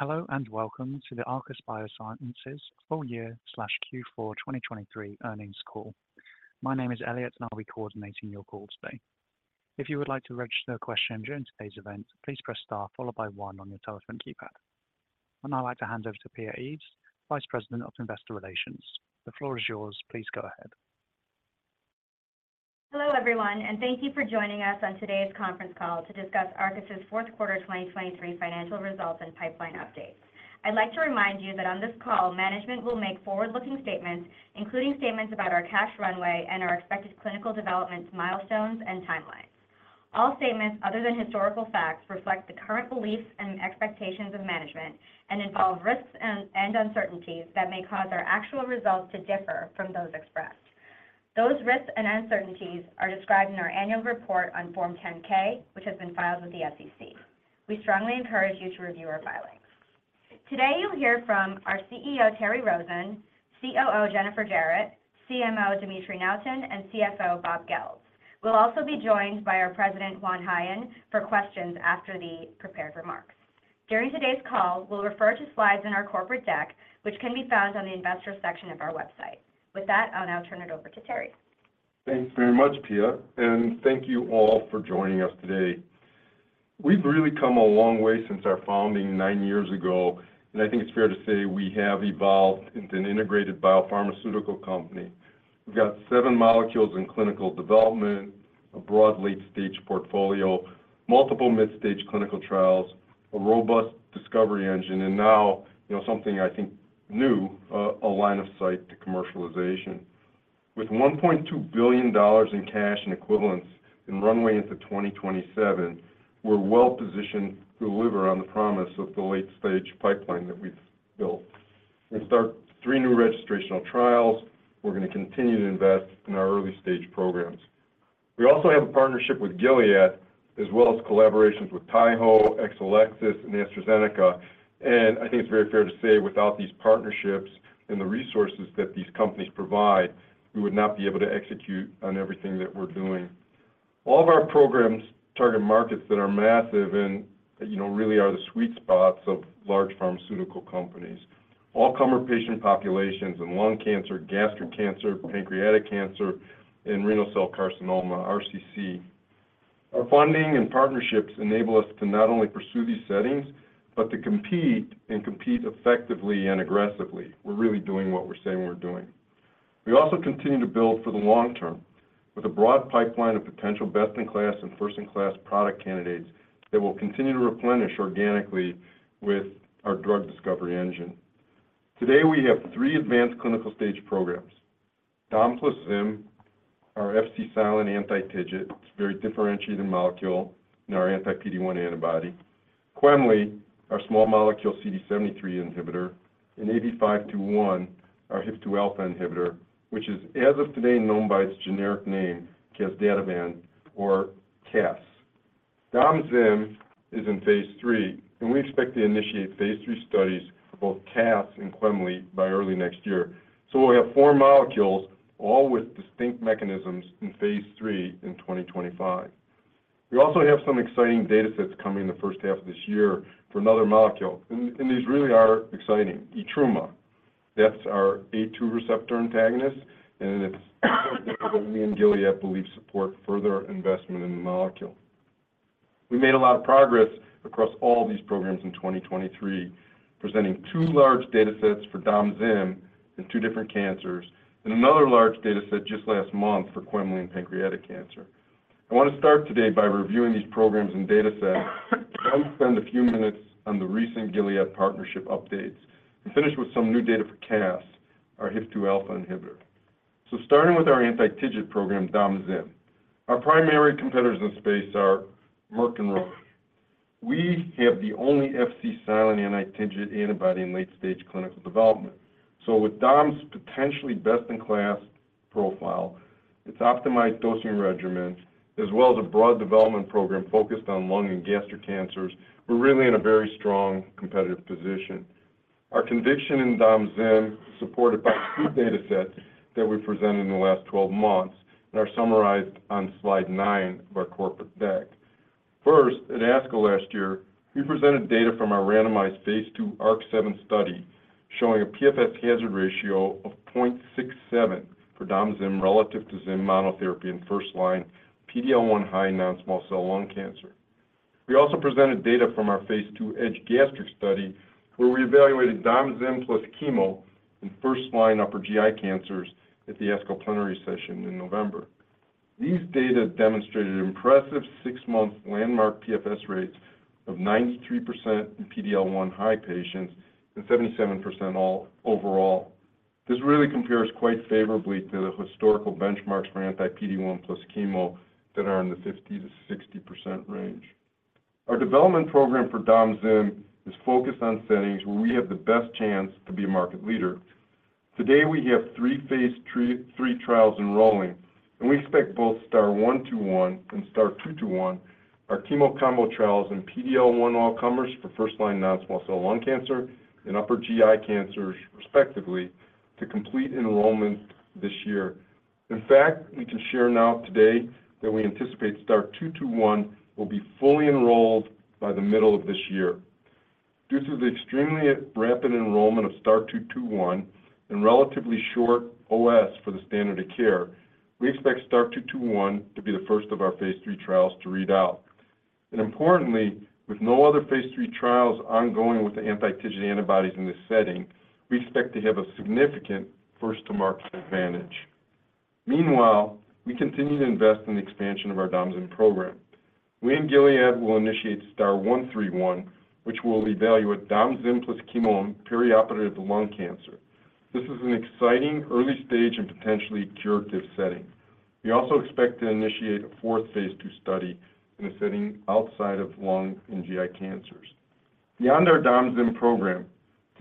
Hello, and welcome to the Arcus Biosciences full year/Q4 2023 earnings call. My name is Elliot, and I'll be coordinating your call today. If you would like to register a question during today's event, please press star followed by one on your telephone keypad. I'd now like to hand over to Pia Eaves, Vice President of Investor Relations. The floor is yours. Please go ahead. Hello, everyone, and thank you for joining us on today's conference call to discuss Arcus's fourth quarter 2023 financial results and pipeline updates. I'd like to remind you that on this call, management will make forward-looking statements, including statements about our cash runway and our expected clinical development milestones and timelines. All statements other than historical facts reflect the current beliefs and expectations of management and involve risks and uncertainties that may cause our actual results to differ from those expressed. Those risks and uncertainties are described in our annual report on Form 10-K, which has been filed with the SEC. We strongly encourage you to review our filings. Today, you'll hear from our CEO, Terry Rosen, COO, Jennifer Jarrett, CMO, Dimitri Nuyten, and CFO, Bob Goeltz. We'll also be joined by our president, Juan Jaen, for questions after the prepared remarks. During today's call, we'll refer to slides in our corporate deck, which can be found on the investor section of our website. With that, I'll now turn it over to Terry. Thanks very much, Pia, and thank you all for joining us today. We've really come a long way since our founding nine years ago, and I think it's fair to say we have evolved into an integrated biopharmaceutical company. We've got seven molecules in clinical development, a broad late-stage portfolio, multiple mid-stage clinical trials, a robust discovery engine, and now, you know, something I think new, a line of sight to commercialization. With $1.2 billion in cash and equivalents and runway into 2027, we're well-positioned to deliver on the promise of the late-stage pipeline that we've built. We'll start three new registrational trials. We're gonna continue to invest in our early-stage programs. We also have a partnership with Gilead, as well as collaborations with Taiho, Exelixis, and AstraZeneca, and I think it's very fair to say without these partnerships and the resources that these companies provide, we would not be able to execute on everything that we're doing. All of our programs target markets that are massive and, you know, really are the sweet spots of large pharmaceutical companies. All-comer patient populations in lung cancer, gastric cancer, pancreatic cancer, and renal cell carcinoma, RCC. Our funding and partnerships enable us to not only pursue these settings, but to compete and compete effectively and aggressively. We're really doing what we're saying we're doing. We also continue to build for the long term, with a broad pipeline of potential best-in-class and first-in-class product candidates that will continue to replenish organically with our drug discovery engine. Today, we have three advanced clinical stage programs. Domvanalimab, our Fc-silent anti-TIGIT. It's a very differentiated molecule in our anti-PD-1 antibody. Quemli, our small-molecule CD73 inhibitor, and AB521, our HIF-2α inhibitor, which is as of today, known by its generic name, casdatifan or CaS. Domzim is in phase III, and we expect to initiate phase III studies for both CaS and Quemli by early next year. So we'll have four molecules, all with distinct mechanisms, in phase III in 2025. We also have some exciting datasets coming in the first half of this year for another molecule, and these really are exciting, etrumadenant. That's our A2 receptor antagonist, and it's Gilead believe support further investment in the molecule. We made a lot of progress across all these programs in 2023, presenting two large datasets for Domzim in two different cancers, and another large dataset just last month for Quemli in pancreatic cancer. I want to start today by reviewing these programs and datasets, and spend a few minutes on the recent Gilead partnership updates, and finish with some new data for Cas, our HIF-2α inhibitor. Starting with our anti-TIGIT program, domvanalimab. Our primary competitors in the space are Merck and Roche. We have the only Fc-silent anti-TIGIT antibody in late-stage clinical development. With domvanalimab's potentially best-in-class profile, its optimized dosing regimens, as well as a broad development program focused on lung and gastric cancers, we're really in a very strong competitive position. Our conviction in domvanalimab, supported by two datasets that we've presented in the last 12 months and are summarized on slide 9 of our corporate deck. First, at ASCO last year, we presented data from our randomized phase II ARC-7 study, showing a PFS hazard ratio of 0.67 for Domzim relative to Zim monotherapy in first-line PD-L1 high non-small cell lung cancer. We also presented data from our phase II EDGE Gastric study, where we evaluated Domzim plus chemo in first-line upper GI cancers at the ASCO Plenary Session in November. These data demonstrated impressive 6-month landmark PFS rates of 93% in PD-L1 high patients and 77% all, overall. This really compares quite favorably to the historical benchmarks for anti-PD-1 plus chemo that are in the 50%-60% range. Our development program for Domzim is focused on settings where we have the best chance to be a market leader. Today, we have three phase III trials enrolling, and we expect both STAR-121 and STAR-221, our chemo combo trials in PD-L1 all comers for first-line non-small cell lung cancer and upper GI cancers, respectively, to complete enrollment this year. In fact, we can share now today that we anticipate STAR-221 will be fully enrolled by the middle of this year. Due to the extremely rapid enrollment of STAR-221 and relatively short OS for the standard of care, we expect STAR-221 to be the first of our phase III trials to read out. And importantly, with no other phase III trials ongoing with the anti-TIGIT antibodies in this setting, we expect to have a significant first-to-market advantage. Meanwhile, we continue to invest in the expansion of our domzim program. We and Gilead will initiate STAR-131, which will evaluate domzim plus chemo in perioperative lung cancer. This is an exciting early stage and potentially curative setting. We also expect to initiate a fourth phase II study in a setting outside of lung and GI cancers. Beyond our domzim program,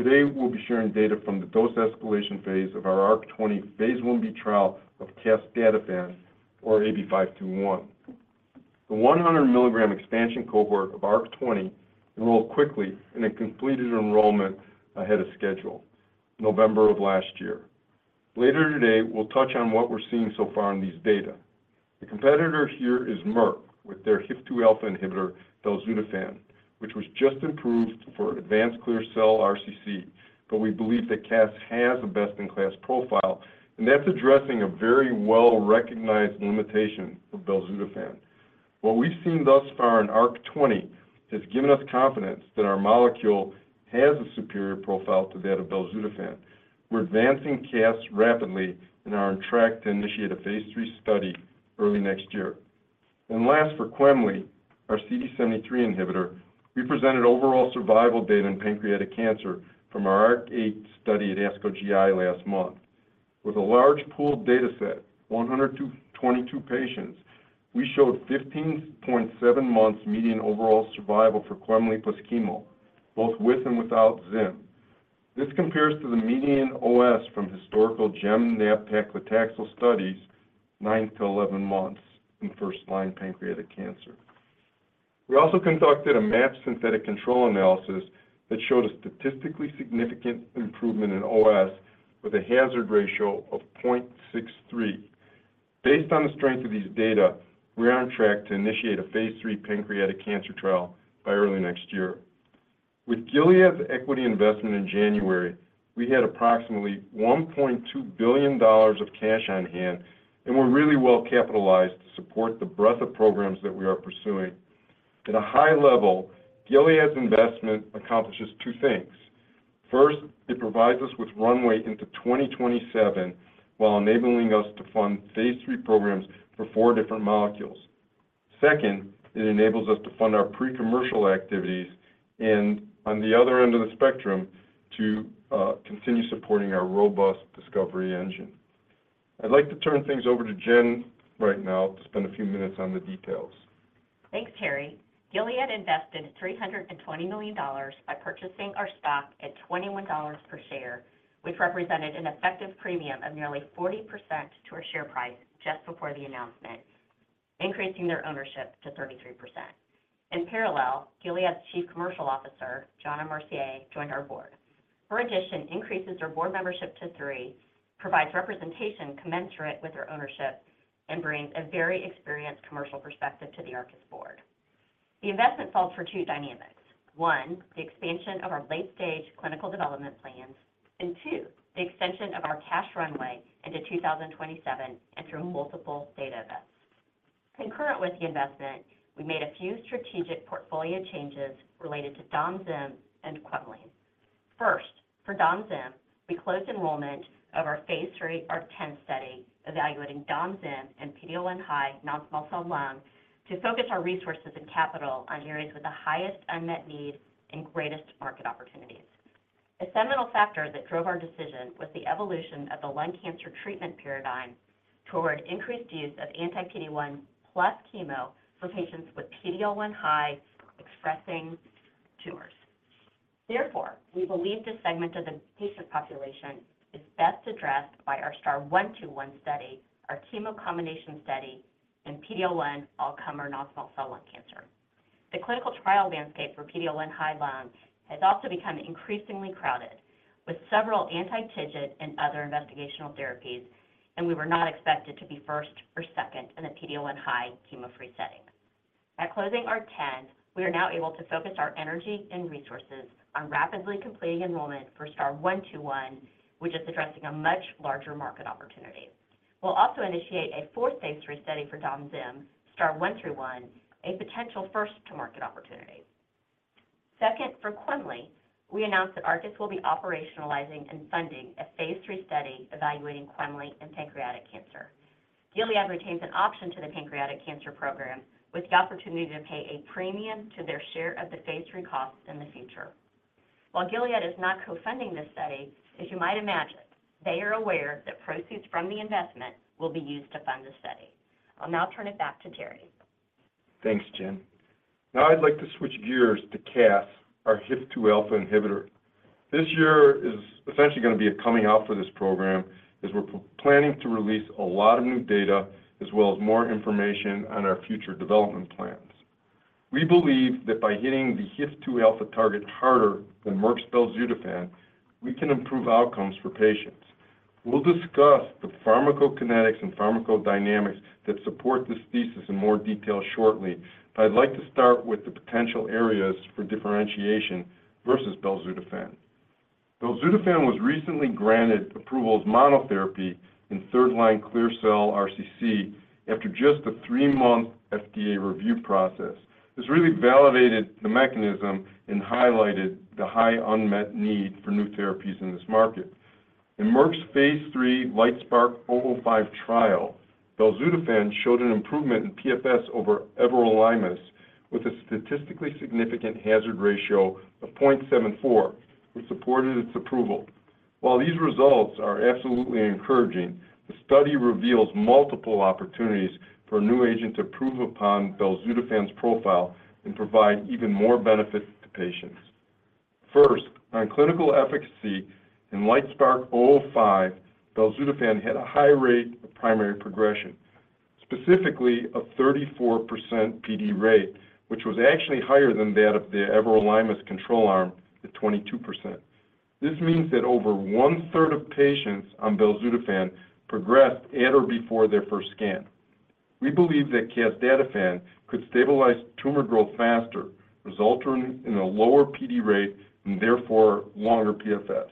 today we'll be sharing data from the dose escalation phase of our ARC-20 phase Ib trial of casdatifan or AB521. The 100 mg expansion cohort of ARC-20 enrolled quickly and it completed enrollment ahead of schedule, November of last year. Later today, we'll touch on what we're seeing so far in these data. The competitor here is Merck, with their HIF-2α inhibitor, belzutifan, which was just approved for an advanced clear cell RCC, but we believe that CAS has a best-in-class profile, and that's addressing a very well-recognized limitation of belzutifan. What we've seen thus far in ARC-20 has given us confidence that our molecule has a superior profile to that of belzutifan. We're advancing casdatifan rapidly and are on track to initiate a phase III study early next year. And last, for Quemliclustat, our CD73 inhibitor, we presented overall survival data in pancreatic cancer from our ARC-8 study at ASCO GI last month. With a large pool of data set, 100-122 patients, we showed 15.7 months median overall survival for Quemliclustat plus chemo, both with and without zimberelimab. This compares to the median OS from historical gemcitabine and nab-paclitaxel studies, nine-11 months in first-line pancreatic cancer. We also conducted a matched synthetic control analysis that showed a statistically significant improvement in OS with a hazard ratio of 0.63. Based on the strength of these data, we're on track to initiate a phase III pancreatic cancer trial by early next year. With Gilead's equity investment in January, we had approximately $1.2 billion of cash on hand, and we're really well capitalized to support the breadth of programs that we are pursuing. At a high level, Gilead's investment accomplishes two things: First, it provides us with runway into 2027, while enabling us to fund phase III programs for four different molecules. Second, it enables us to fund our pre-commercial activities and, on the other end of the spectrum, to continue supporting our robust discovery engine. I'd like to turn things over to Jen right now to spend a few minutes on the details. Thanks, Terry. Gilead invested $320 million by purchasing our stock at $21 per share, which represented an effective premium of nearly 40% to our share price just before the announcement, increasing their ownership to 33%. In parallel, Gilead's Chief Commercial Officer, Johanna Mercier, joined our board. Her addition increases our board membership to three, provides representation commensurate with our ownership, and brings a very experienced commercial perspective to the Arcus board. The investment calls for two dynamics: One, the expansion of our late-stage clinical development plans, and two, the extension of our cash runway into 2027 and through multiple data events. Concurrent with the investment, we made a few strategic portfolio changes related to domzim and quemly. First, for domzim, we closed enrollment of our phase III ARC-10 study, evaluating domzim and PD-L1 high non-small cell lung, to focus our resources and capital on areas with the highest unmet need and greatest market opportunities. A seminal factor that drove our decision was the evolution of the lung cancer treatment paradigm toward increased use of anti-PD-1 plus chemo for patients with PD-L1 high expressing tumors. Therefore, we believe this segment of the patient population is best addressed by our STAR-121 study, our chemo combination study in PD-L1 all-comer non-small cell lung cancer. The clinical trial landscape for PD-L1 high lung has also become increasingly crowded, with several anti-TIGIT and other investigational therapies, and we were not expected to be first or second in a PD-L1 high chemo-free setting. By closing ARC-10, we are now able to focus our energy and resources on rapidly completing enrollment for STAR-121, which is addressing a much larger market opportunity. We'll also initiate a fourth phase III study for domzim, STAR-131, a potential first-to-market opportunity. Second, for Quemly, we announced that Arcus will be operationalizing and funding a phase III study evaluating Quemly in pancreatic cancer. Gilead retains an option to the pancreatic cancer program, with the opportunity to pay a premium to their share of the phase III costs in the future. While Gilead is not co-funding this study, as you might imagine, they are aware that proceeds from the investment will be used to fund the study. I'll now turn it back to Terry. Thanks, Jen. Now I'd like to switch gears to casdatifan, our HIF-2α inhibitor. This year is essentially going to be a coming out for this program, as we're planning to release a lot of new data as well as more information on our future development plans. We believe that by hitting the HIF-2α target harder than Merck's belzutifan, we can improve outcomes for patients. We'll discuss the pharmacokinetics and pharmacodynamics that support this thesis in more detail shortly, but I'd like to start with the potential areas for differentiation versus belzutifan. Belzutifan was recently granted approval as monotherapy in third-line clear cell RCC after just a three-month FDA review process. This really validated the mechanism and highlighted the high unmet need for new therapies in this market. In Merck's phase III LITESPARK-005 trial, belzutifan showed an improvement in PFS over everolimus, with a statistically significant hazard ratio of 0.74, which supported its approval. While these results are absolutely encouraging, the study reveals multiple opportunities for a new agent to improve upon belzutifan's profile and provide even more benefit to patients. First, on clinical efficacy in LITESPARK-005, belzutifan had a high rate of primary progression, specifically a 34% PD rate, which was actually higher than that of the everolimus control arm at 22%. This means that over one-third of patients on belzutifan progressed at or before their first scan. We believe that casdatifan could stabilize tumor growth faster, resulting in a lower PD rate and therefore longer PFS.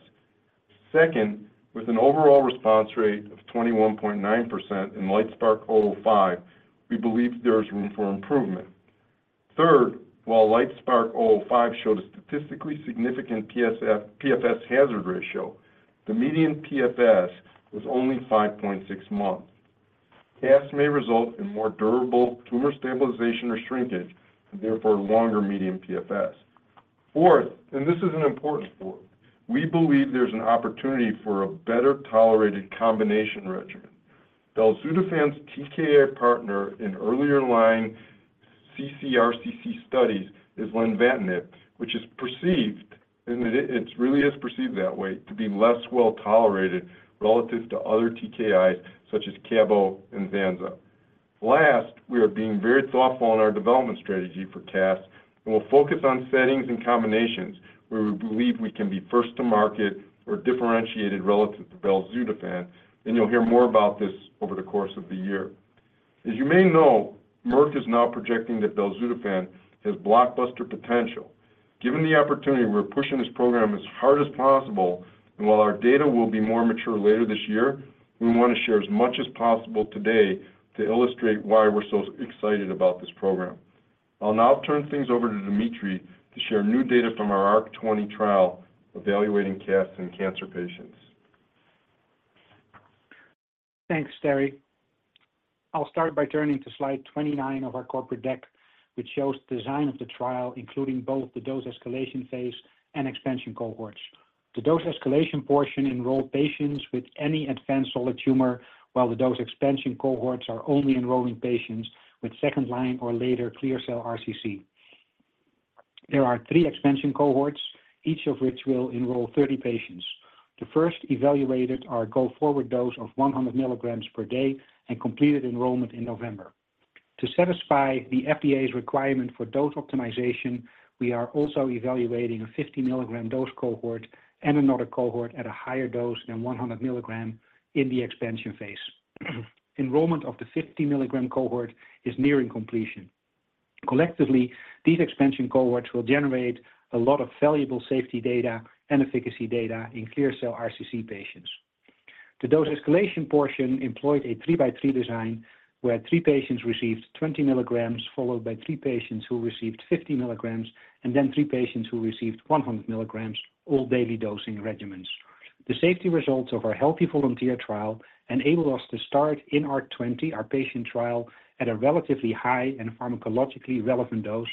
Second, with an overall response rate of 21.9% in LITESPARK-005, we believe there is room for improvement. Third, while LITESPARK-005 showed a statistically significant PFS hazard ratio, the median PFS was only 5.6 months. Cas may result in more durable tumor stabilization or shrinkage, and therefore longer median PFS. Fourth, and this is an important fourth, we believe there's an opportunity for a better-tolerated combination regimen. Belzutifan's TKI partner in earlier line ccRCC studies is lenvatinib, which is perceived, and it, it's really is perceived that way, to be less well-tolerated relative to other TKIs such as Cabo and Vanza. Last, we are being very thoughtful in our development strategy for Cas and we'll focus on settings and combinations where we believe we can be first to market or differentiated relative to belzutifan, and you'll hear more about this over the course of the year. As you may know, Merck is now projecting that belzutifan has blockbuster potential. Given the opportunity, we're pushing this program as hard as possible, and while our data will be more mature later this year, we want to share as much as possible today to illustrate why we're so excited about this program. I'll now turn things over to Dimitry to share new data from our ARC-20 trial evaluating CAS in cancer patients. Thanks, Terry. I'll start by turning to slide 29 of our corporate deck, which shows the design of the trial, including both the dose escalation phase and expansion cohorts. The dose escalation portion enrolled patients with any advanced solid tumor, while the dose expansion cohorts are only enrolling patients with second-line or later clear cell RCC. There are three expansion cohorts, each of which will enroll 30 patients. The first evaluated our go-forward dose of 100 milligrams per day and completed enrollment in November. To satisfy the FDA's requirement for dose optimization, we are also evaluating a 50-milligram dose cohort and another cohort at a higher dose than 100 milligram in the expansion phase. Enrollment of the 50-milligram cohort is nearing completion. Collectively, these expansion cohorts will generate a lot of valuable safety data and efficacy data in clear cell RCC patients. The dose escalation portion employed a 3-by-3 design, where 3 patients received 20 milligrams, followed by three patients who received 50 milligrams, and then 3 patients who received 100 milligrams, all daily dosing regimens. The safety results of our healthy volunteer trial enabled us to start in ARC-20, our patient trial, at a relatively high and pharmacologically relevant dose,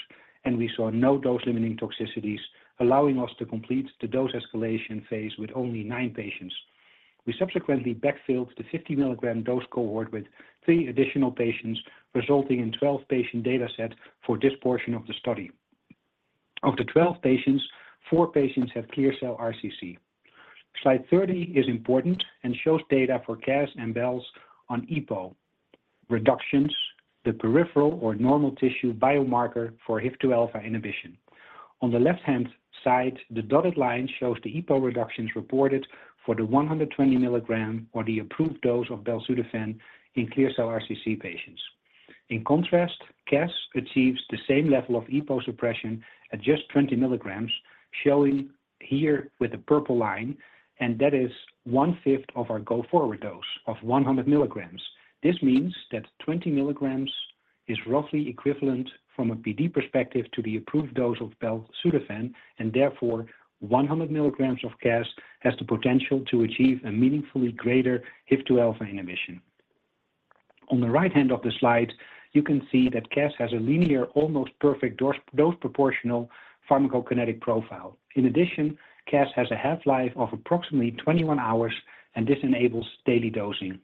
and we saw no dose-limiting toxicities, allowing us to complete the dose escalation phase with only nine patients. We subsequently backfilled the 50-milligram dose cohort with three additional patients, resulting in 12-patient data set for this portion of the study. Of the 12 patients, four patients have clear cell RCC. Slide 30 is important and shows data for casdatifan and belzutifan on EPO reductions, the peripheral or normal tissue biomarker for HIF-2α inhibition. On the left-hand side, the dotted line shows the EPO reductions reported for the 120 milligram or the approved dose of belzutifan in clear cell RCC patients. In contrast, CAS achieves the same level of EPO suppression at just 20 milligrams, showing here with a purple line, and that is one-fifth of our go-forward dose of 100 milligrams. This means that 20 milligrams is roughly equivalent from a PD perspective to the approved dose of belzutifan, and therefore, 100 milligrams of CAS has the potential to achieve a meaningfully greater HIF-2α inhibition. On the right hand of the slide, you can see that CAS has a linear, almost perfect dose, dose proportional pharmacokinetic profile. In addition, CAS has a half-life of approximately 21 hours, and this enables daily dosing.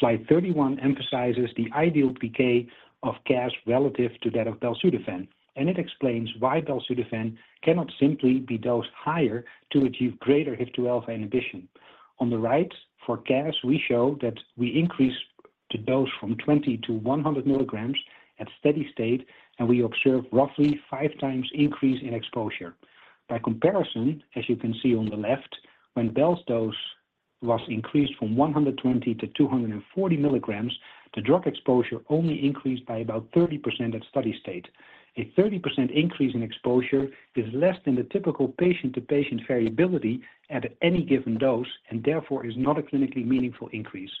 Slide 31 emphasizes the ideal PK of casdatifan relative to that of belzutifan, and it explains why belzutifan cannot simply be dosed higher to achieve greater HIF-2α inhibition. On the right, for casdatifan, we show that we increased the dose from 20 to 100 milligrams at steady state, and we observed roughly five times increase in exposure. By comparison, as you can see on the left, when belzutifan's dose was increased from 120 to 240 milligrams, the drug exposure only increased by about 30% at steady state. A 30% increase in exposure is less than the typical patient-to-patient variability at any given dose, and therefore is not a clinically meaningful increase.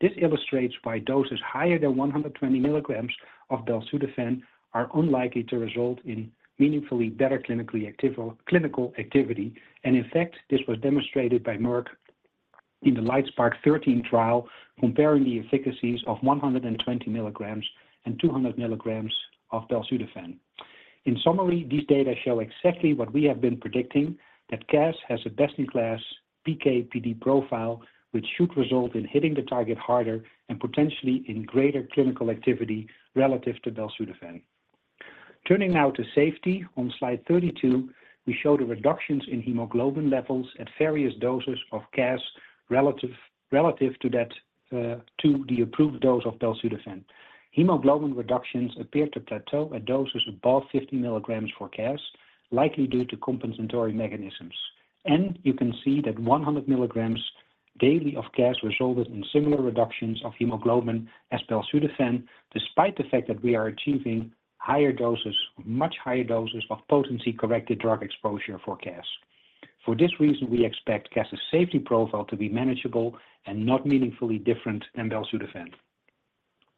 This illustrates why doses higher than 120 milligrams of belzutifan are unlikely to result in meaningfully better clinical activity. In fact, this was demonstrated by Merck in the LITESPARK-013 trial, comparing the efficacies of 120 milligrams and 200 milligrams of belzutifan. In summary, these data show exactly what we have been predicting, that casdatifan has a best-in-class PK/PD profile, which should result in hitting the target harder and potentially in greater clinical activity relative to belzutifan. Turning now to safety, on slide 32, we show the reductions in hemoglobin levels at various doses of casdatifan relative to that, to the approved dose of belzutifan. Hemoglobin reductions appear to plateau at doses above 50 milligrams for casdatifan, likely due to compensatory mechanisms. You can see that 100 milligrams daily of casdatifan resulted in similar reductions of hemoglobin as belzutifan, despite the fact that we are achieving higher doses, much higher doses of potency-corrected drug exposure for casdatifan. For this reason, we expect casdatifan's safety profile to be manageable and not meaningfully different than belzutifan.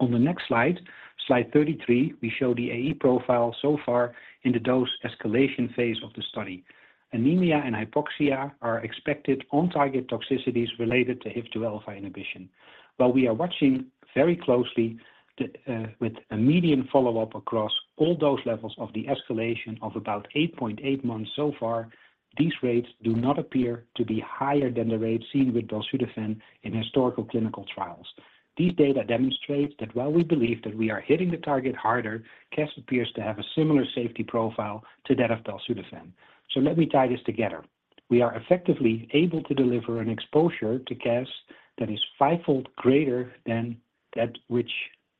On the next slide, slide 33, we show the AE profile so far in the dose escalation phase of the study. Anemia and hypoxia are expected on-target toxicities related to HIF-2 alpha inhibition. While we are watching very closely with a median follow-up across all dose levels of the escalation of about 8.8 months so far, these rates do not appear to be higher than the rates seen with belzutifan in historical clinical trials. These data demonstrates that while we believe that we are hitting the target harder, casdatifan appears to have a similar safety profile to that of belzutifan. So let me tie this together. We are effectively able to deliver an exposure to casdatifan that is five-fold greater than that which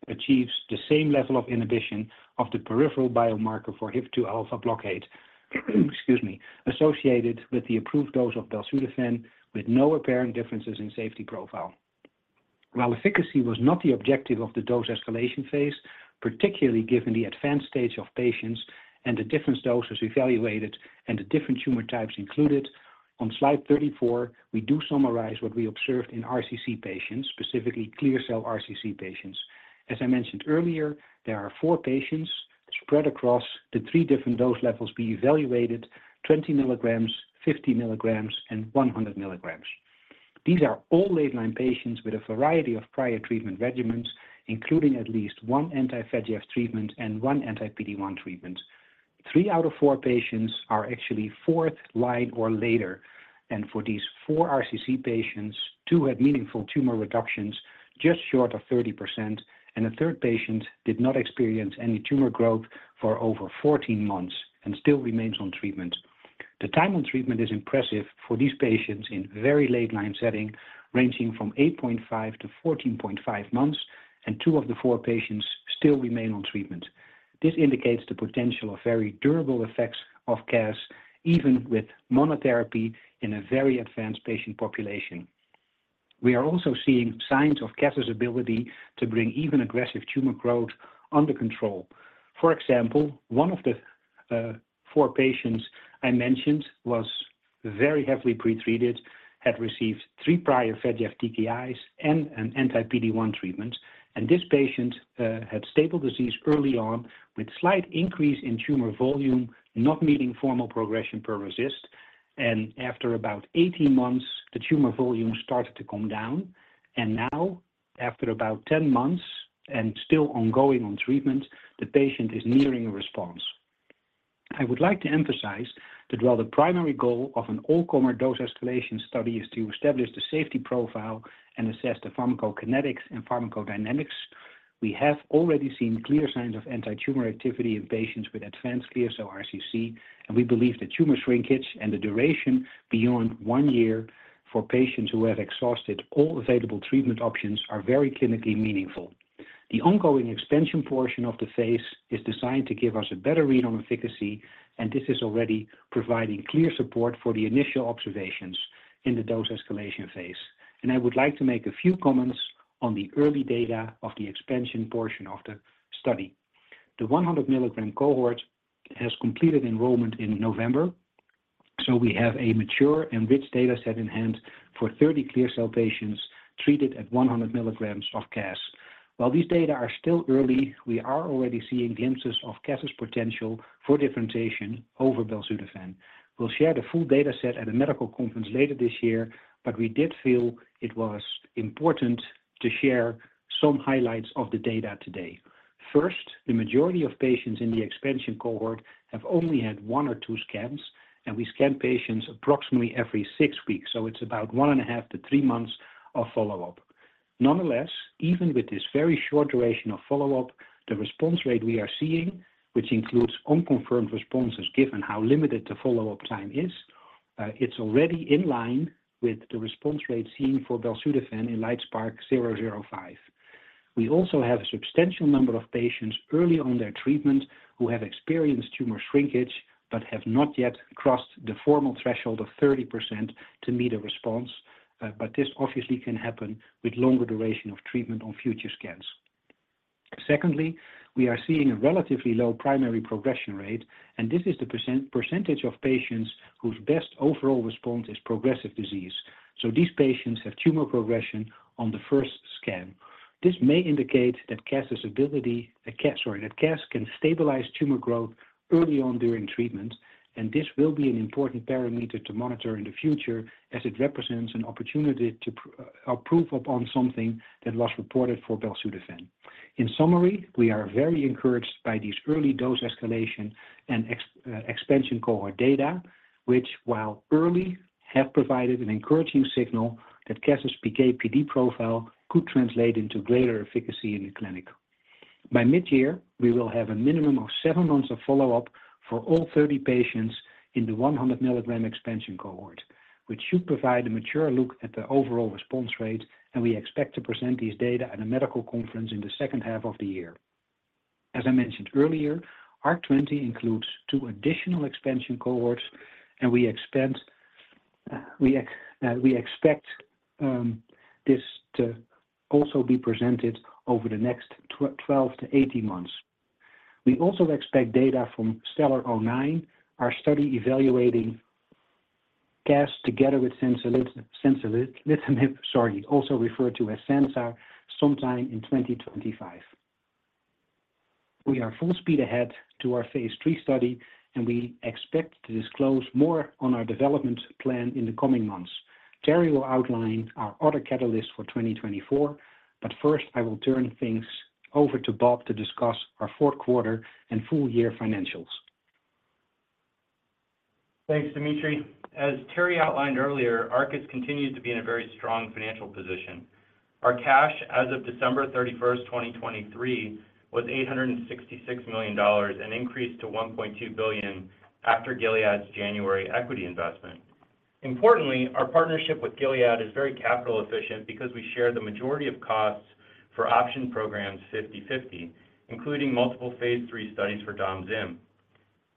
achieves the same level of inhibition of the peripheral biomarker for HIF-2α blockade, excuse me, associated with the approved dose of belzutifan, with no apparent differences in safety profile. While efficacy was not the objective of the dose escalation phase, particularly given the advanced stage of patients and the different doses evaluated and the different tumor types included, on slide 34, we do summarize what we observed in RCC patients, specifically clear cell RCC patients. As I mentioned earlier, there are four patients spread across the three different dose levels we evaluated, 20 mg, 50 mg, and 100 mg. These are all late-line patients with a variety of prior treatment regimens, including at least one anti-VEGF treatment and one anti-PD-1 treatment. Three out of four patients are actually fourth line or later, and for these four RCC patients, two had meaningful tumor reductions just short of 30%, and a third patient did not experience any tumor growth for over 14 months and still remains on treatment. The time on treatment is impressive for these patients in very late-line setting, ranging from 8.5 to 14.5 months, and two of the foutwo patients still remain on treatment. This indicates the potential of very durable effects of CAS, even with monotherapy in a very advanced patient population. We are also seeing signs of casdatifan's ability to bring even aggressive tumor growth under control. For example, one of the four patients I mentioned was very heavily pre-treated, had received three prior VEGF TKIs and an anti-PD-1 treatment. This patient had stable disease early on with slight increase in tumor volume, not meeting formal progression per RECIST. After about 18 months, the tumor volume started to come down, and now, after about 10 months and still ongoing on treatment, the patient is nearing a response. I would like to emphasize that while the primary goal of an all-comer dose escalation study is to establish the safety profile and assess the pharmacokinetics and pharmacodynamics, we have already seen clear signs of antitumor activity in patients with advanced clear cell RCC, and we believe that tumor shrinkage and the duration beyond one year for patients who have exhausted all available treatment options are very clinically meaningful. The ongoing expansion portion of the phase is designed to give us a better read on efficacy, and this is already providing clear support for the initial observations in the dose escalation phase. I would like to make a few comments on the early data of the expansion portion of the study. The 100-mg cohort has completed enrollment in November, so we have a mature and rich data set in hand for 30 clear cell patients treated at 100 mg of casdatifan. While these data are still early, we are already seeing glimpses of casdatifan's potential for differentiation over belzutifan. We'll share the full data set at a medical conference later this year, but we did feel it was important to share some highlights of the data today. First, the majority of patients in the expansion cohort have only had one or two scans, and we scan patients approximately every six weeks, so it's about 1.5-3 months of follow-up... Nonetheless, even with this very short duration of follow-up, the response rate we are seeing, which includes unconfirmed responses, given how limited the follow-up time is, it's already in line with the response rate seen for belzutifan in LITESPARK-005. We also have a substantial number of patients early on their treatment who have experienced tumor shrinkage, but have not yet crossed the formal threshold of 30% to meet a response. But this obviously can happen with longer duration of treatment on future scans. Secondly, we are seeing a relatively low primary progression rate, and this is the percentage of patients whose best overall response is progressive disease. So these patients have tumor progression on the first scan. This may indicate that CAS's ability, that CAS can stabilize tumor growth early on during treatment, and this will be an important parameter to monitor in the future as it represents an opportunity to improve upon something that was reported for belzutifan. In summary, we are very encouraged by these early dose escalation and expansion cohort data, which, while early, have provided an encouraging signal that CAS's PK/PD profile could translate into greater efficacy in the clinic. By mid-year, we will have a minimum of seven months of follow-up for all 30 patients in the 100 milligram expansion cohort, which should provide a mature look at the overall response rate, and we expect to present these data at a medical conference in the second half of the year. As I mentioned earlier, ARC-20 includes two additional expansion cohorts, and we expect this to also be presented over the next 12-18 months. We also expect data from STELLAR-009, our study evaluating CAS together with zanzalintinib, sorry, also referred to as Zanza, sometime in 2025. We are full speed ahead to our phase III study, and we expect to disclose more on our development plan in the coming months. Terry will outline our other catalysts for 2024, but first, I will turn things over to Bob to discuss our fourth quarter and full year financials. Thanks, Dimitry. As Terry outlined earlier, Arcus continues to be in a very strong financial position. Our cash as of December 31, 2023, was $866 million, an increase to $1.2 billion after Gilead's January equity investment. Importantly, our partnership with Gilead is very capital efficient because we share the majority of costs for option programs 50/50, including multiple phase III studies for Domzim.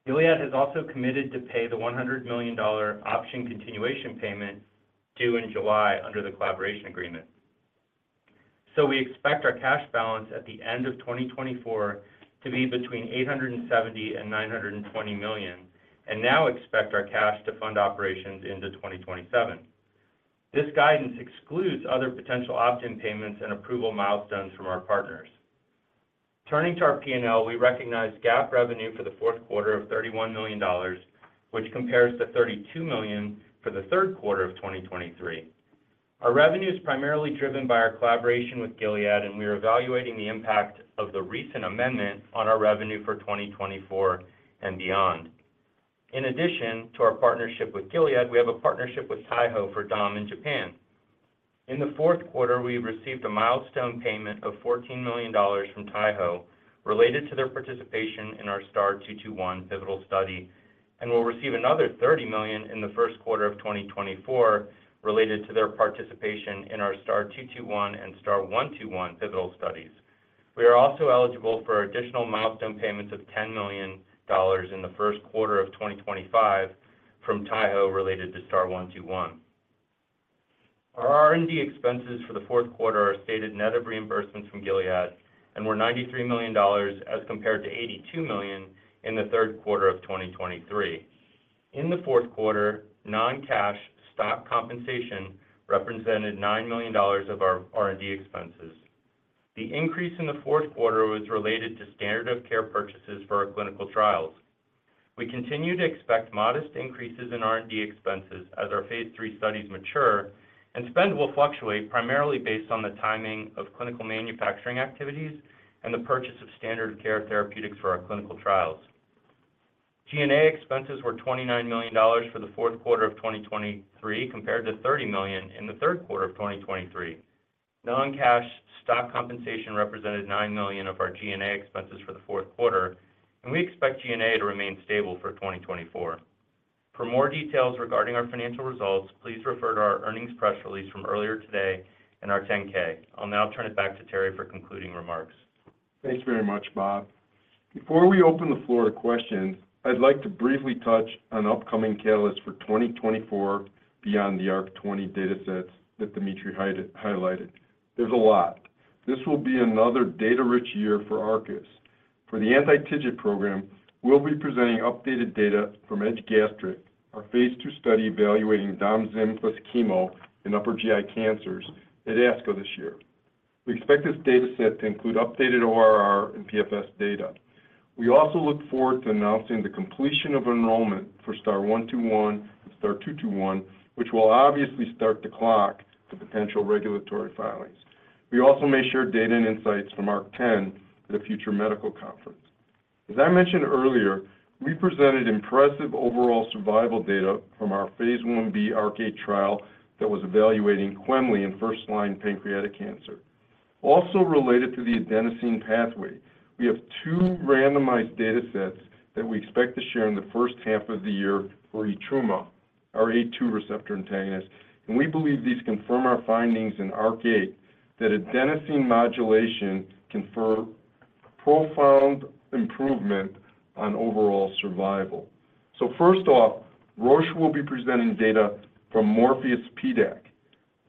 Gilead has also committed to pay the $100 million option continuation payment due in July under the collaboration agreement. So we expect our cash balance at the end of 2024 to be between $870 million and $920 million, and now expect our cash to fund operations into 2027. This guidance excludes other potential option payments and approval milestones from our partners. Turning to our P&L, we recognize GAAP revenue for the fourth quarter of $31 million, which compares to $32 million for the third quarter of 2023. Our revenue is primarily driven by our collaboration with Gilead, and we are evaluating the impact of the recent amendment on our revenue for 2024 and beyond. In addition to our partnership with Gilead, we have a partnership with Taiho for Dom in Japan. In the fourth quarter, we received a milestone payment of $14 million from Taiho related to their participation in our STAR-221 pivotal study, and we'll receive another $30 million in the first quarter of 2024 related to their participation in our STAR-221 and STAR-121 pivotal studies. We are also eligible for additional milestone payments of $10 million in the first quarter of 2025 from Taiho related to STAR-121. Our R&D expenses for the fourth quarter are stated net of reimbursements from Gilead and were $93 million as compared to $82 million in the third quarter of 2023. In the fourth quarter, non-cash stock compensation represented $9 million of our R&D expenses. The increase in the fourth quarter was related to standard of care purchases for our clinical trials. We continue to expect modest increases in R&D expenses as our phase III studies mature, and spend will fluctuate primarily based on the timing of clinical manufacturing activities and the purchase of standard care therapeutics for our clinical trials. G&A expenses were $29 million for the fourth quarter of 2023, compared to $30 million in the third quarter of 2023. Non-cash stock compensation represented $9 million of our G&A expenses for the fourth quarter, and we expect G&A to remain stable for 2024. For more details regarding our financial results, please refer to our earnings press release from earlier today and our 10-K. I'll now turn it back to Terry for concluding remarks. Thanks very much, Bob. Before we open the floor to questions, I'd like to briefly touch on upcoming catalysts for 2024 beyond the ARC-20 datasets that Dimitry highlighted. There's a lot. This will be another data-rich year for Arcus. For the anti-TIGIT program, we'll be presenting updated data from EDGE Gastric, our phase II study evaluating domvanalimab plus chemo in upper GI cancers at ASCO this year. We expect this dataset to include updated ORR and PFS data. We also look forward to announcing the completion of enrollment for STAR-121 and STAR-221, which will obviously start to clock the potential regulatory filings. We also may share data and insights from ARC-10 at a future medical conference.... As I mentioned earlier, we presented impressive overall survival data from our Phase IIB ARCADE trial that was evaluating quemliclustat in first-line pancreatic cancer. Also related to the adenosine pathway, we have two randomized data sets that we expect to share in the first half of the year for etrumadenant, our A2 receptor antagonist, and we believe these confirm our findings in ARCADE that adenosine modulation confer profound improvement on overall survival. So first off, Roche will be presenting data from MORPHEUS-PDAC.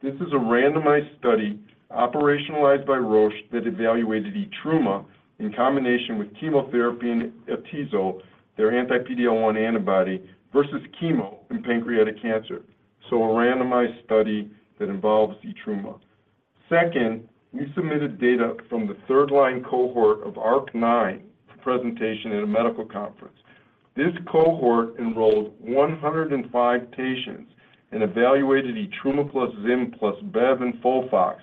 This is a randomized study operationalized by Roche that evaluated etrumadenant in combination with chemotherapy and atezolizumab, their anti-PD-L1 antibody, versus chemo in pancreatic cancer. So a randomized study that involves etrumadenant. Second, we submitted data from the third-line cohort of ARC-9 for presentation in a medical conference. This cohort enrolled 105 patients and evaluated etrumadenant plus zimberelimab plus bevacizumab and FOLFOX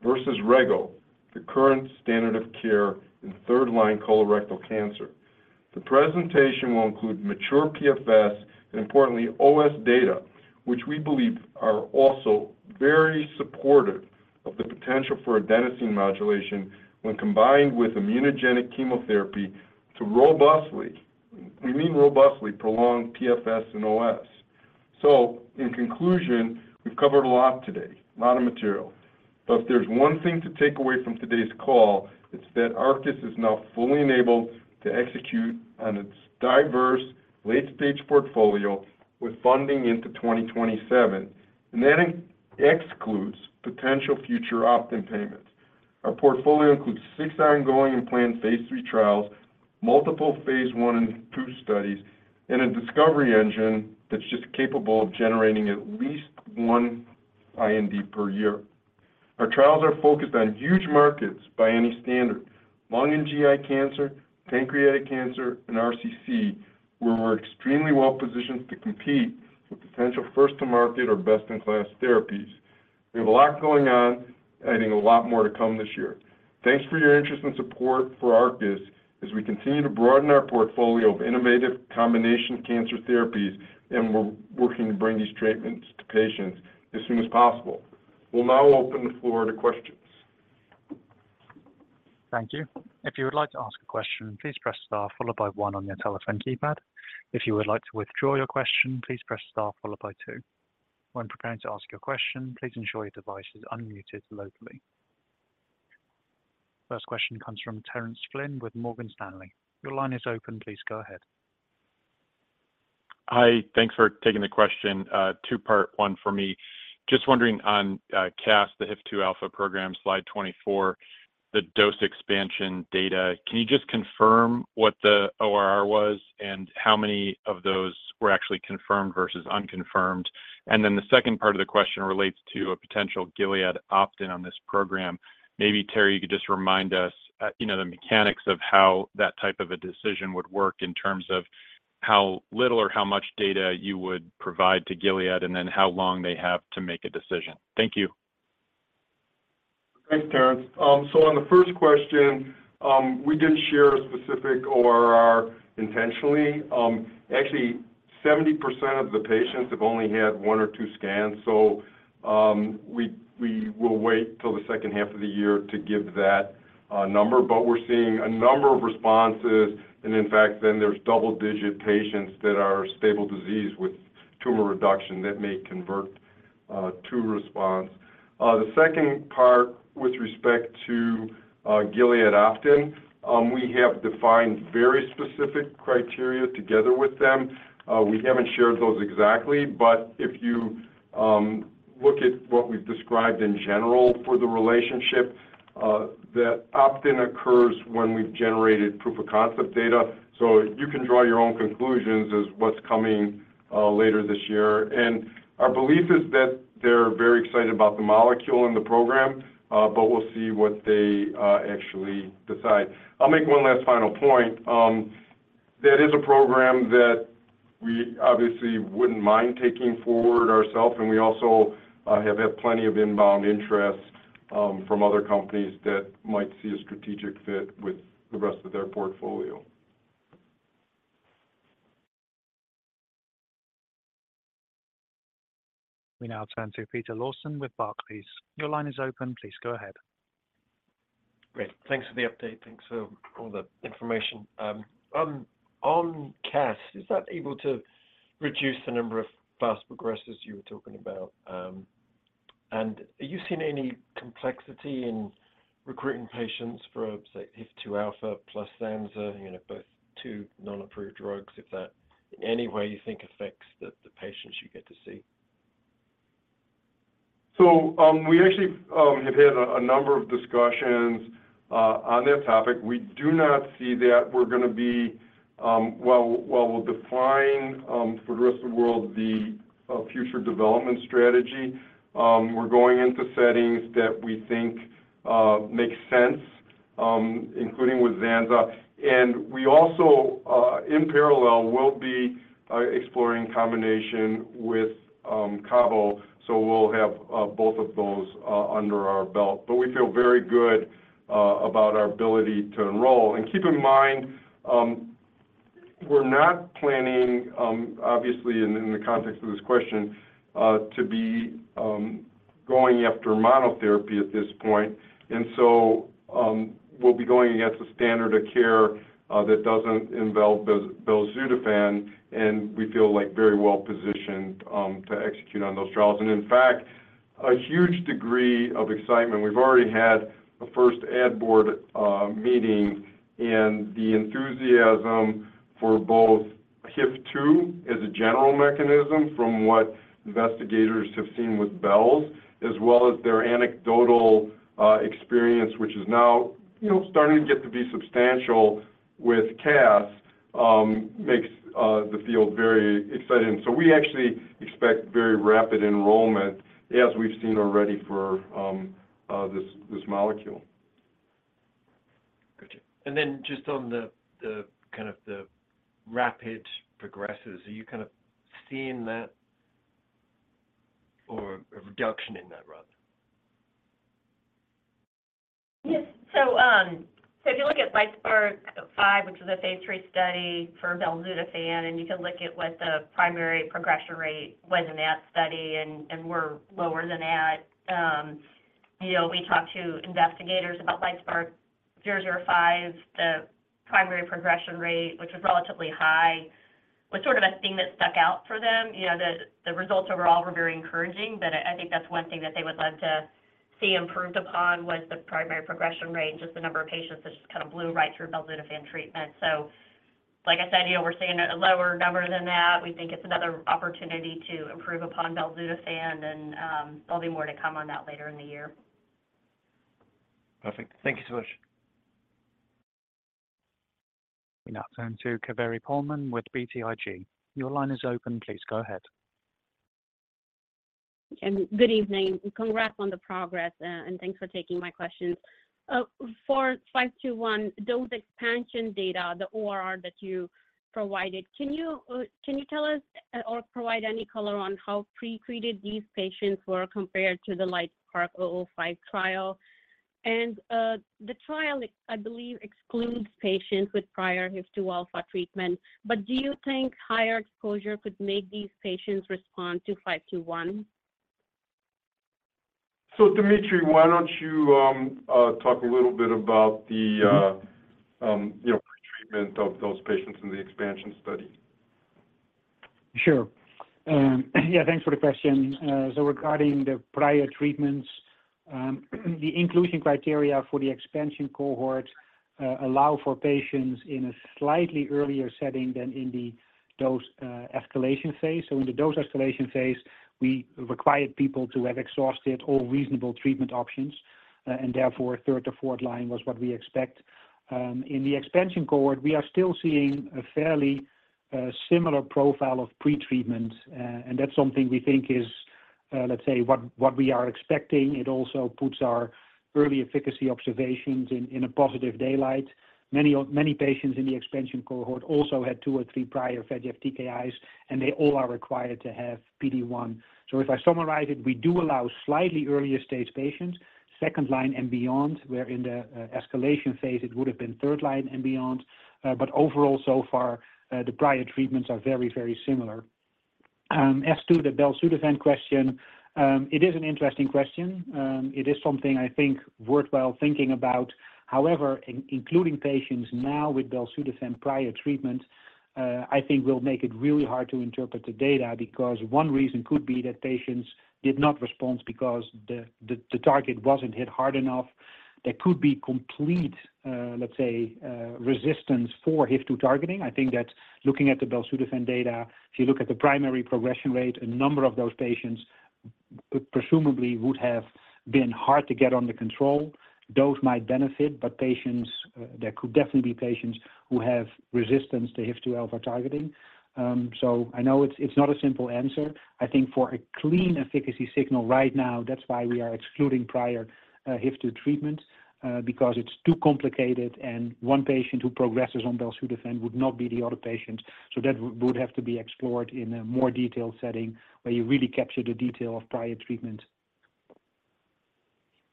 versus Regorafenib, the current standard of care in third-line colorectal cancer. The presentation will include mature PFS and, importantly, OS data, which we believe are also very supportive of the potential for adenosine modulation when combined with immunogenic chemotherapy to robustly, we mean robustly, prolong PFS and OS. So in conclusion, we've covered a lot today, a lot of material. But if there's one thing to take away from today's call, it's that Arcus is now fully enabled to execute on its diverse late-stage portfolio with funding into 2027, and that in excludes potential future opt-in payments. Our portfolio includes six ongoing and planned phase III trials, multiple phase I and II studies, and a discovery engine that's just capable of generating at least one IND per year. Our trials are focused on huge markets by any standard: lung and GI cancer, pancreatic cancer, and RCC, where we're extremely well-positioned to compete with potential first-to-market or best-in-class therapies. We have a lot going on and a lot more to come this year. Thanks for your interest and support for Arcus as we continue to broaden our portfolio of innovative combination cancer therapies, and we're working to bring these treatments to patients as soon as possible. We'll now open the floor to questions. Thank you. If you would like to ask a question, please press star followed by one on your telephone keypad. If you would like to withdraw your question, please press star followed by two. When preparing to ask your question, please ensure your device is unmuted locally. First question comes from Terence Flynn with Morgan Stanley. Your line is open. Please go ahead. Hi, thanks for taking the question. Two-part, one for me. Just wondering on, CAS, the HIF-2α program, slide 24, the dose expansion data. Can you just confirm what the ORR was and how many of those were actually confirmed versus unconfirmed? And then the second part of the question relates to a potential Gilead opt-in on this program. Maybe, Terry, you could just remind us, you know, the mechanics of how that type of a decision would work in terms of how little or how much data you would provide to Gilead and then how long they have to make a decision. Thank you. Thanks, Terence. So on the first question, we didn't share a specific ORR intentionally. Actually, 70% of the patients have only had one or two scans, so we will wait till the second half of the year to give that number. But we're seeing a number of responses, and in fact, then there's double-digit patients that are stable disease with tumor reduction that may convert to response. The second part, with respect to Gilead opt-in, we have defined very specific criteria together with them. We haven't shared those exactly, but if you look at what we've described in general for the relationship, that opt-in occurs when we've generated proof-of-concept data. So you can draw your own conclusions as what's coming later this year. Our belief is that they're very excited about the molecule in the program, but we'll see what they actually decide. I'll make one last final point. That is a program that we obviously wouldn't mind taking forward ourselves, and we also have had plenty of inbound interest from other companies that might see a strategic fit with the rest of their portfolio. We now turn to Peter Lawson with Barclays. Your line is open. Please go ahead. Great. Thanks for the update. Thanks for all the information. On CAS, is that able to reduce the number of fast progressors you were talking about, and have you seen any complexity in recruiting patients for, say, HIF-2α plus Zanza, you know, both two non-approved drugs, if that in any way you think affects the patients you get to see? So, we actually have had a number of discussions on that topic. We do not see that we're gonna be... well, while we're defining, for the rest of the world, the future development strategy, we're going into settings that we think make sense, including with Zanza. And we also, in parallel, will be exploring combination with cabo. So we'll have both of those under our belt. But we feel very good about our ability to enroll. And keep in mind... we're not planning, obviously in the context of this question, to be going after monotherapy at this point. And so, we'll be going against the standard of care that doesn't involve belzutifan, and we feel like very well-positioned to execute on those trials. In fact, a huge degree of excitement. We've already had a first advisory board meeting, and the enthusiasm for both HIF-2 as a general mechanism from what investigators have seen with BELZ, as well as their anecdotal experience, which is now, you know, starting to get to be substantial with CAS, makes the field very exciting. So we actually expect very rapid enrollment as we've seen already for this molecule. Gotcha. And then just on the kind of the rapid progressors, are you kind of seeing that, or a reduction in that, rather? Yes. So, so if you look at LITESPARK-005, which is a phase III study for belzutifan, and you can look at what the primary progression rate was in that study, and we're lower than that. You know, we talked to investigators about LITESPARK-005, the primary progression rate, which was relatively high, was sort of a thing that stuck out for them. You know, the results overall were very encouraging, but I think that's one thing that they would love to see improved upon, was the primary progression rate, just the number of patients that just kind of blew right through belzutifan treatment. So like I said, you know, we're seeing a lower number than that. We think it's another opportunity to improve upon belzutifan, and there'll be more to come on that later in the year. Perfect. Thank you so much. Now turn to Kaveri Pohlman with BTIG. Your line is open. Please go ahead. Good evening, and congrats on the progress, and thanks for taking my questions. For 521, those expansion data, the ORR that you provided, can you, can you tell us, or provide any color on how pretreated these patients were compared to the LITESPARK-005 trial? The trial, I believe, excludes patients with prior HIF-2α treatment, but do you think higher exposure could make these patients respond to 521? So, Dimitry, why don't you talk a little bit about the, you know, pretreatment of those patients in the expansion study? Sure. Yeah, thanks for the question. So regarding the prior treatments, the inclusion criteria for the expansion cohort allow for patients in a slightly earlier setting than in the dose escalation phase. So in the dose escalation phase, we required people to have exhausted all reasonable treatment options, and therefore, third to fourth line was what we expect. In the expansion cohort, we are still seeing a fairly similar profile of pretreatment, and that's something we think is, let's say, what we are expecting. It also puts our early efficacy observations in a positive daylight. Many patients in the expansion cohort also had two or three prior VEGF TKIs, and they all are required to have PD-1. So if I summarize it, we do allow slightly earlier-stage patients, second line and beyond, where in the escalation phase it would have been third line and beyond. But overall, so far, the prior treatments are very, very similar. As to the belzutifan question, it is an interesting question. It is something I think worthwhile thinking about. However, including patients now with belzutifan prior treatment, I think will make it really hard to interpret the data, because one reason could be that patients did not respond because the target wasn't hit hard enough. There could be complete, let's say, resistance for HIF-2α targeting. I think that looking at the belzutifan data, if you look at the primary progression rate, a number of those patients presumably would have been hard to get under control. Those might benefit, but patients, there could definitely be patients who have resistance to HIF-2 alpha targeting. So I know it's, it's not a simple answer. I think for a clean efficacy signal right now, that's why we are excluding prior HIF-2 treatment, because it's too complicated, and one patient who progresses on belzutifan would not be the other patient. So that would, would hfourve to be explored in a more detailed setting, where you really capture the detail of prior treatment.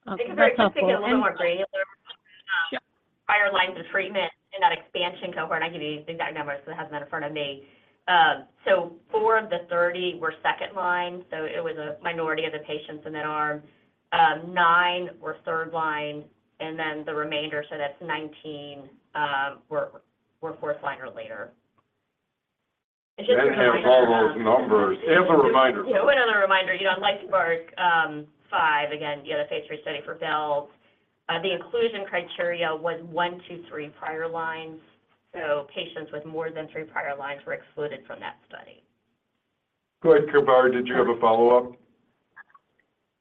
Okay, just to get a little more granular. Sure. Prior lines of treatment in that expansion cohort, I'll give you the exact numbers, because it hasn't been in front of me. So four of the 30 were second line, so it was a minority of the patients in that arm. nine were third line, and then the remainder, so that's 19, were fourth line or later. And then all those numbers, as a reminder- You know, another reminder, you know, in LITESPARK-005, again, the other phase III study for belzutifan, the inclusion criteria was one-three prior lines, so patients with more than 3 prior lines were excluded from that study. Go ahead, Kaveri. Did you have a follow-up?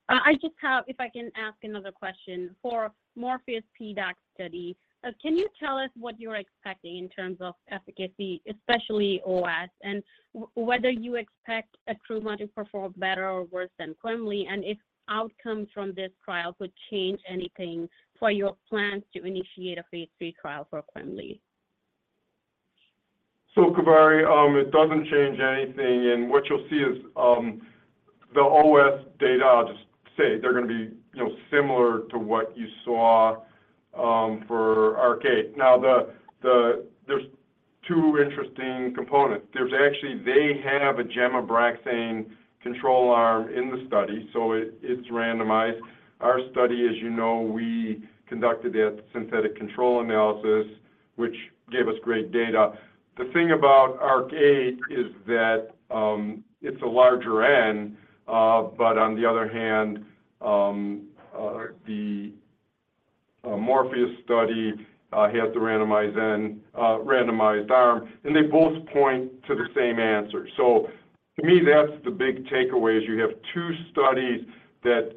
I just have... If I can ask another question. For MORPHEUS-PDAC study, can you tell us what you're expecting in terms of efficacy, especially OS, and whether you expect the treatment arm to perform better or worse than quemli, and if outcomes from this trial would change anything for your plans to initiate a phase III trial for quemli? So, Kaveri, it doesn't change anything, and what you'll see is, the OS data, I'll just say, they're gonna be, you know, similar to what you saw, for ARCADE. Now, there's two interesting components. There's actually, they have a gemcitabine control arm in the study, so it, it's randomized. Our study, as you know, we conducted a synthetic control analysis, which gave us great data. The thing about ARCADE is that, it's a larger N, but on the other hand, the Morpheus study has the randomized N, randomized arm, and they both point to the same answer. So to me, that's the big takeaway, is you have two studies that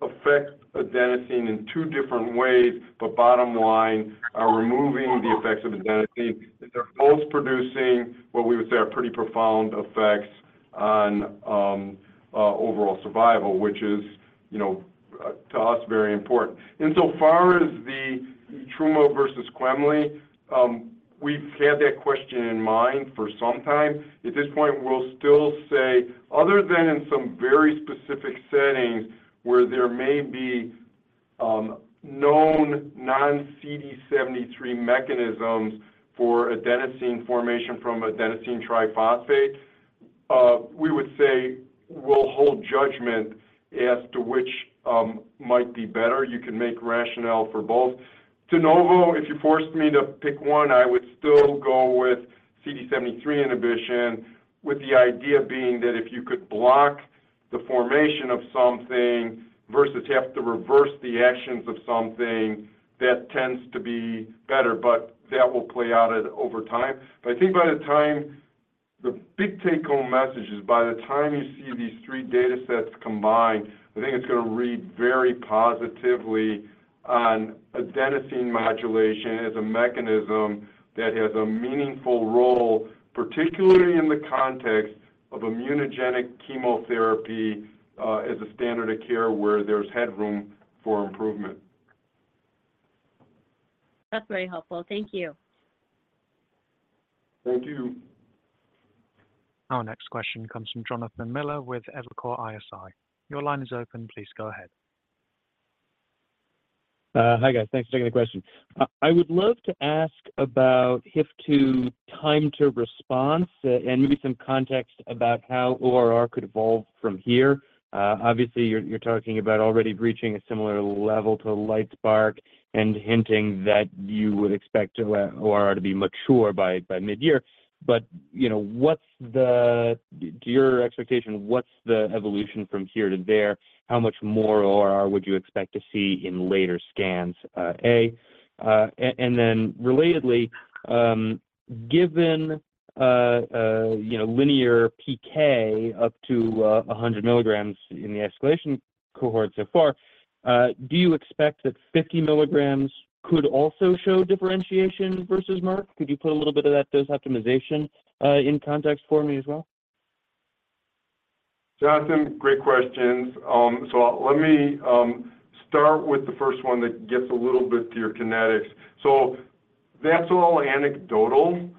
affect adenosine in two different ways, but bottom line, are removing the effects of adenosine. They're both producing what we would say are pretty profound effects on overall survival, which is, you know, to us, very important. And so far as the Trumo versus Quemli, we've had that question in mind for some time. At this point, we'll still say, other than in some very specific settings where there may be known non-CD73 mechanisms for adenosine formation from adenosine triphosphate, we would say we'll hold judgment as to which might be better. You can make rationale for both. De novo, if you forced me to pick one, I would still go with CD73 inhibition, with the idea being that if you could block the formation of something versus have to reverse the actions of something, that tends to be better, but that will play out over time. I think by the time, the big take-home message is by the time you see these three data sets combined, I think it's gonna read very positively on adenosine modulation as a mechanism that has a meaningful role, particularly in the context of immunogenic chemotherapy, as a standard of care where there's headroom for improvement. That's very helpful. Thank you. Thank you. Our next question comes from Jonathan Miller with Evercore ISI. Your line is open. Please go ahead. Hi, guys. Thanks for taking the question. I would love to ask about HIF-2 time to response, and maybe some context about how ORR could evolve from here. Obviously, you're talking about already reaching a similar level to LITESPARK and hinting that you would expect ORR to be mature by midyear. But, you know, what's the-- to your expectation, what's the evolution from here to there? How much more ORR would you expect to see in later scans? And then relatedly, given, you know, linear PK up to 100 milligrams in the escalation cohort so far, do you expect that 50 milligrams could also show differentiation versus Merck? Could you put a little bit of that dose optimization in context for me as well? Jonathan, great questions. So let me start with the first one that gets a little bit to your kinetics. So that's all anecdotal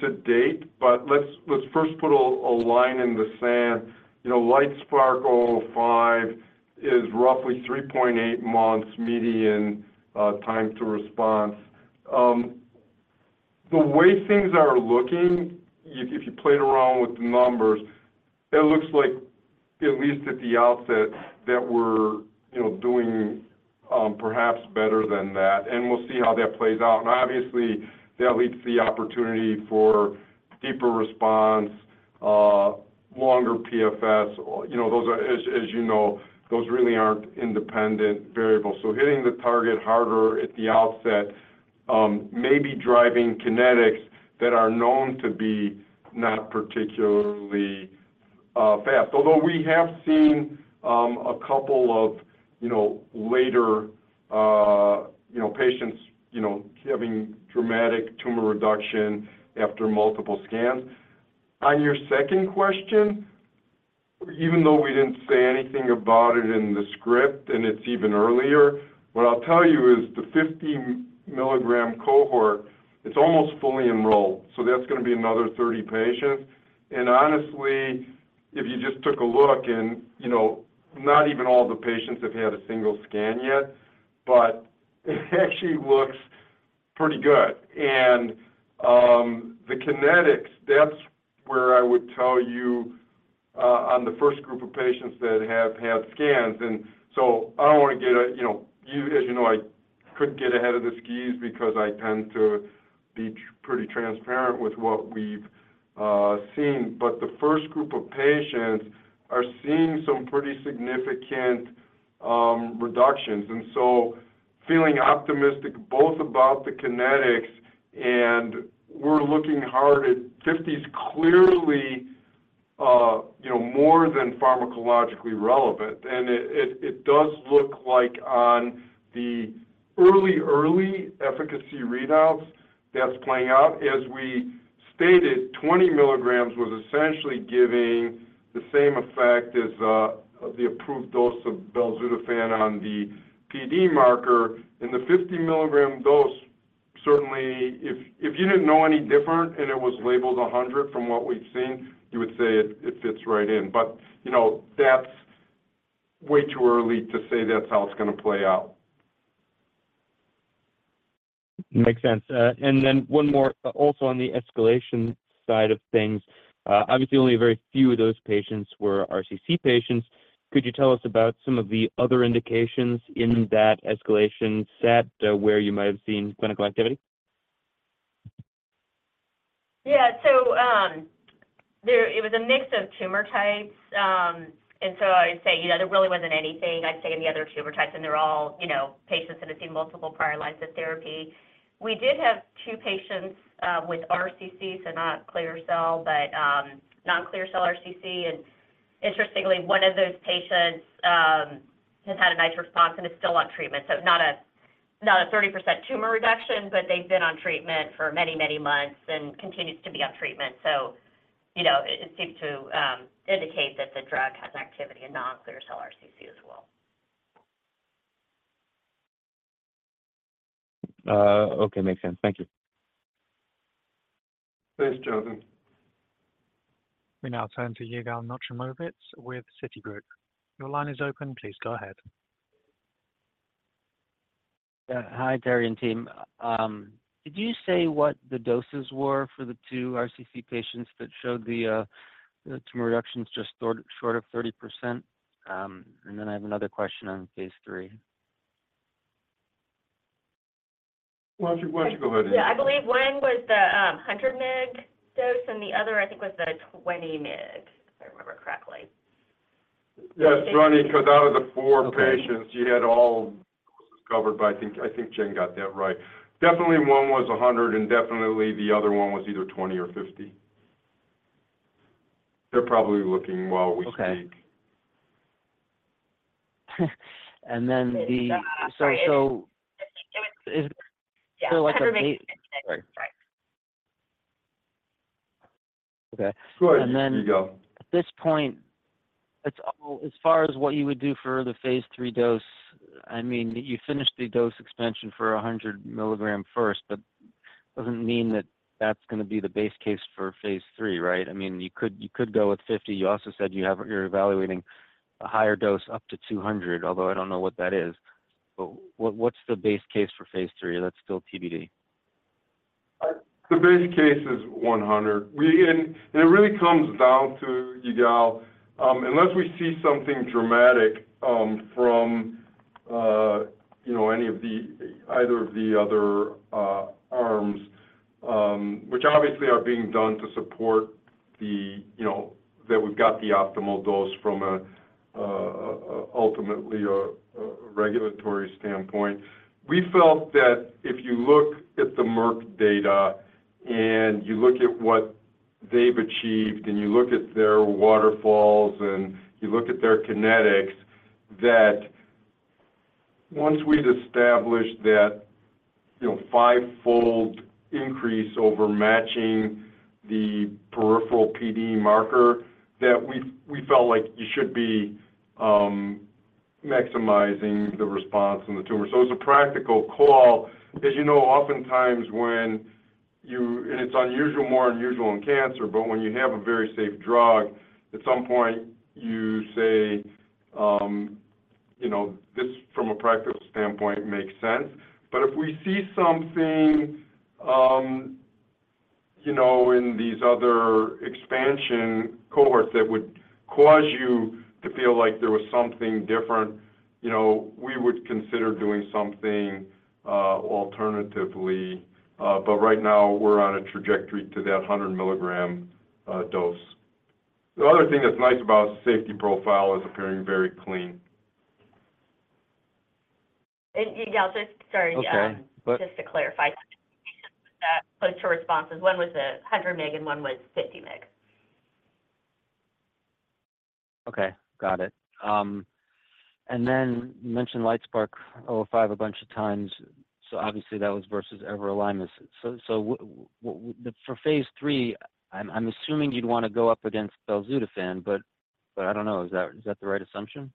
to date, but let's first put a line in the sand. You know, LITESPARK-005 is roughly 3.8 months median time to response. The way things are looking, if you played around with the numbers, it looks like, at least at the outset, that we're, you know, doing perhaps better than that, and we'll see how that plays out. And obviously, that leads the opportunity for deeper response, longer PFS. You know, those are, as you know, those really aren't independent variables. So hitting the target harder at the outset may be driving kinetics that are known to be not particularly fast. Although we have seen a couple of, you know, later, you know, patients, you know, having dramatic tumor reduction after multiple scans. On your second question, even though we didn't say anything about it in the script and it's even earlier, what I'll tell you is the 50-milligram cohort, it's almost fully enrolled, so that's gonna be another 30 patients. And honestly, if you just took a look and, you know, not even all the patients have had a single scan yet, but it actually looks pretty good. And, the kinetics, that's where I would tell you, on the first group of patients that have had scans. And so I don't wanna get a, you know—you, as you know, I could get ahead of the skis because I tend to be pretty transparent with what we've seen. But the first group of patients are seeing some pretty significant reductions, and so feeling optimistic both about the kinetics, and we're looking hard at 50s, clearly, you know, more than pharmacologically relevant. And it does look like on the early, early efficacy readouts that's playing out. As we stated, 20 milligrams was essentially giving the same effect as the approved dose of belzutifan on the PD marker, and the 50-milligram dose certainly, if you didn't know any different and it was labeled 100 from what we've seen, you would say it fits right in. But, you know, that's way too early to say that's how it's gonna play out. Makes sense. And then one more, also on the escalation side of things. Obviously, only a very few of those patients were RCC patients. Could you tell us about some of the other indications in that escalation set, where you might have seen clinical activity? Yeah. So, there it was a mix of tumor types, and so I'd say, you know, there really wasn't anything, I'd say, any other tumor types, and they're all, you know, patients that have seen multiple prior lines of therapy. We did have two patients with RCC, so not clear cell, but non-clear cell RCC. And interestingly, one of those patients has had a nice response and is still on treatment, so not a, not a 30% tumor reduction, but they've been on treatment for many, many months and continues to be on treatment. So, you know, it, it seems to indicate that the drug has activity in non-clear cell RCC as well. Okay, makes sense. Thank you. Thanks, Jonathan. We now turn to Yigal Nochomovitz with Citigroup. Your line is open. Please go ahead. Yeah. Hi, Terry and team. Did you say what the doses were for the two RCC patients that showed the tumor reductions just short of 30%? And then I have another question on phase III. Why don't you go ahead? Yeah, I believe one was the 100 mg dose, and the other, I think, was the 20 mg, if I remember correctly. Yes, funny, because out of the four- Okay... patients, you had all doses covered, but I think, I think Jen got that right. Definitely one was 100, and definitely the other one was either 20 or 50. They're probably looking while we speak. Okay. And then the- Sorry. So, so- If it, yeah, 100 maybe. Right. Right. Okay. Go ahead, Yigal. At this point, it's all, as far as what you would do for the phase III dose, I mean, you finished the dose expansion for 100 milligram first, but doesn't mean that that's gonna be the base case for phase III, right? I mean, you could, you could go with 50. You also said you have, you're evaluating a higher dose up to 200, although I don't know what that is. But what, what's the base case for phase III, or that's still TBD? The base case is 100. We and it really comes down to Yigal, unless we see something dramatic from you know, any of the either of the other arms, which obviously are being done to support the you know, that we've got the optimal dose from ultimately a regulatory standpoint. We felt that if you look at the Merck data and you look at what they've achieved, and you look at their waterfalls, and you look at their kinetics, that once we'd established that you know, fivefold increase over matching the peripheral PDE marker, that we felt like you should be maximizing the response in the tumor. So it's a practical call. As you know, oftentimes when you... It's unusual, more unusual in cancer, but when you have a very safe drug, at some point you say, you know, this from a practical standpoint makes sense. But if we see something, you know, in these other expansion cohorts that would cause you to feel like there was something different, you know, we would consider doing something alternatively. But right now we're on a trajectory to that 100 milligram dose. The other thing that's nice about the safety profile is appearing very clean. Yigal, just—sorry, Okay... just to clarify, that those two responses, one was 100 mg, and one was 50 mg. Okay, got it. And then you mentioned LITESPARK-005 a bunch of times, so obviously that was versus everolimus. So for Phase III, I'm assuming you'd want to go up against belzutifan, but I don't know. Is that the right assumption?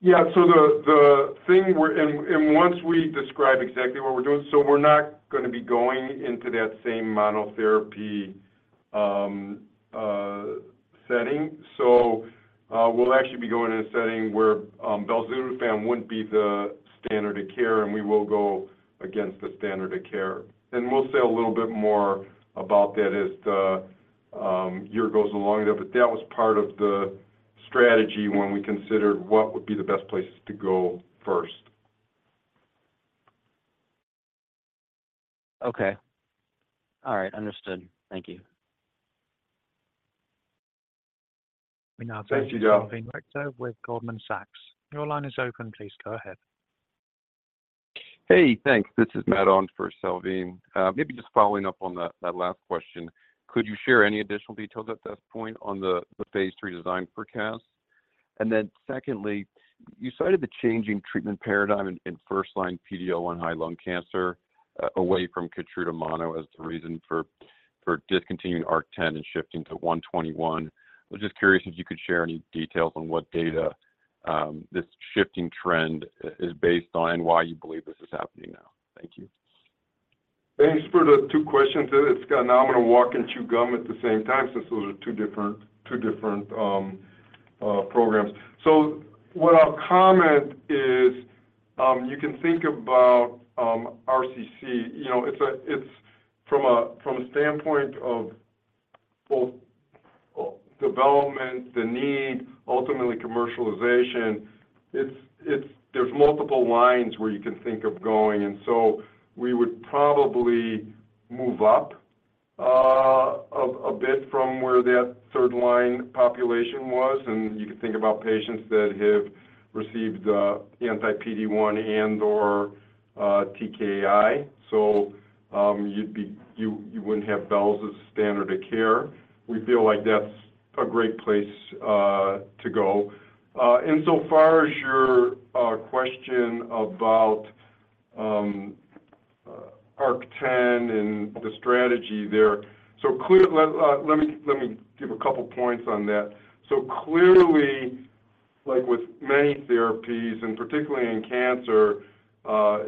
Yeah. So the thing we're doing and once we describe exactly what we're doing, so we're not gonna be going into that same monotherapy setting. So we'll actually be going in a setting where belzutifan wouldn't be the standard of care, and we will go against the standard of care. And we'll say a little bit more about that as the year goes along, but that was part of the strategy when we considered what would be the best places to go first. Okay. All right, understood. Thank you. Thank you, Yigal. We now turn to Salveen Richter with Goldman Sachs. Your line is open. Please go ahead. Hey, thanks. This is Matt on for Salveen. Maybe just following up on that, that last question, could you share any additional details at this point on the, the phase III design for CAS? And then secondly, you cited the changing treatment paradigm in, in first-line PD-L1 high lung cancer, away from KEYTRUDA mono as the reason for, for discontinuing ARC-10 and shifting to 121. I was just curious if you could share any details on what data this shifting trend is based on and why you believe this is happening now? Thank you. Thanks for the two questions. It's now I'm gonna walk and chew gum at the same time, since those are two different, two different programs. So what I'll comment is, you can think about RCC. You know, it's from a standpoint of both development, the need, ultimately commercialization, it's there's multiple lines where you can think of going, and so we would probably move up a bit from where that third line population was, and you can think about patients that have received anti-PD-1 and/or TKI. So you wouldn't have belzutifan as standard of care. We feel like that's a great place to go. And so far as your question about ARC-10 and the strategy there... Let me give a couple points on that. So clearly, like with many therapies, and particularly in cancer,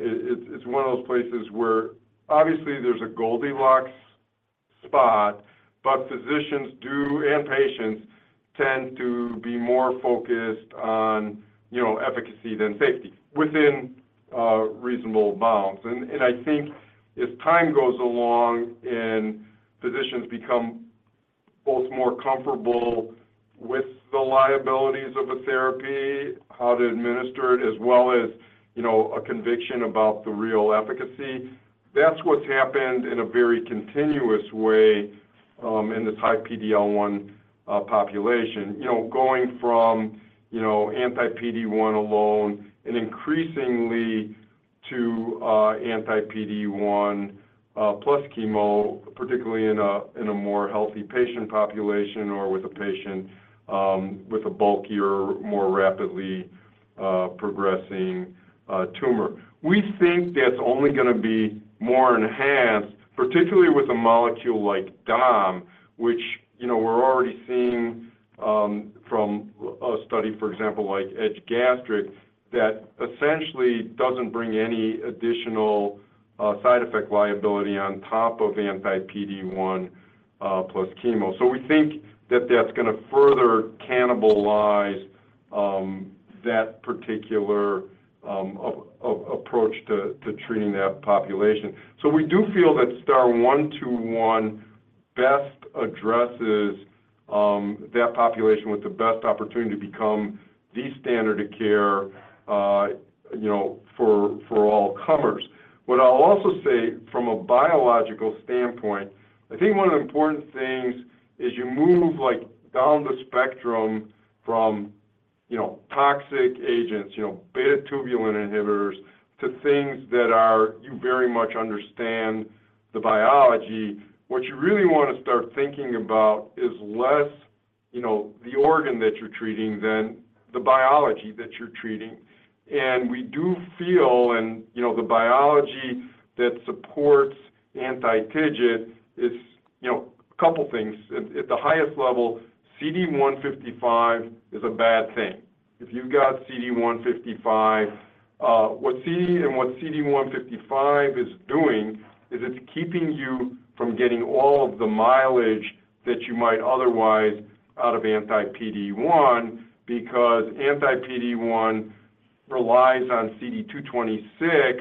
it’s one of those places where obviously there’s a Goldilocks spot, but physicians do, and patients, tend to be more focused on, you know, efficacy than safety within reasonable bounds. And I think as time goes along and physicians become both more comfortable with the liabilities of a therapy, how to administer it, as well as, you know, a conviction about the real efficacy, that’s what’s happened in a very continuous way in this high PD-L1 population. You know, going from, you know, anti-PD-1 alone and increasingly to anti-PD-1 plus chemo, particularly in a more healthy patient population or with a patient with a bulkier, more rapidly progressing tumor. We think that's only gonna be more enhanced, particularly with a molecule like Dom, which, you know, we're already seeing from a study, for example, like EDGE Gastric, that essentially doesn't bring any additional side effect liability on top of anti-PD-1 plus chemo. So we think that that's gonna further cannibalize that particular approach to treating that population. So we do feel that STAR-121 best addresses that population with the best opportunity to become the standard of care, you know, for all comers. What I'll also say from a biological standpoint, I think one of the important things is you move, like, down the spectrum from, you know, toxic agents, you know, beta tubulin inhibitors, to things that are... you very much understand the biology. What you really want to start thinking about is less, you know, the organ that you're treating than the biology that you're treating. And we do feel and, you know, the biology that supports anti-TIGIT is, you know, a couple things. At, at the highest level, CD155 is a bad thing. If you've got CD155, what CD155 is doing is it's keeping you from getting all of the mileage that you might otherwise out of anti-PD-1, because anti-PD-1 relies on CD226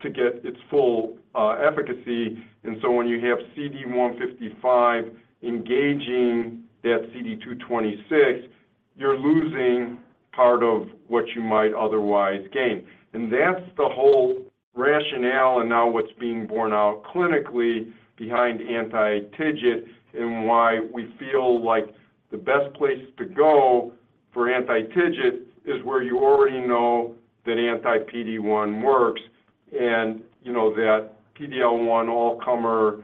to get its full efficacy. And so when you have CD155 engaging that CD226, you're losing part of what you might otherwise gain. That's the whole rationale, and now what's being borne out clinically behind anti-TIGIT and why we feel like the best place to go for anti-TIGIT is where you already know that anti-PD-1 works. And, you know, that PD-L1 all-comer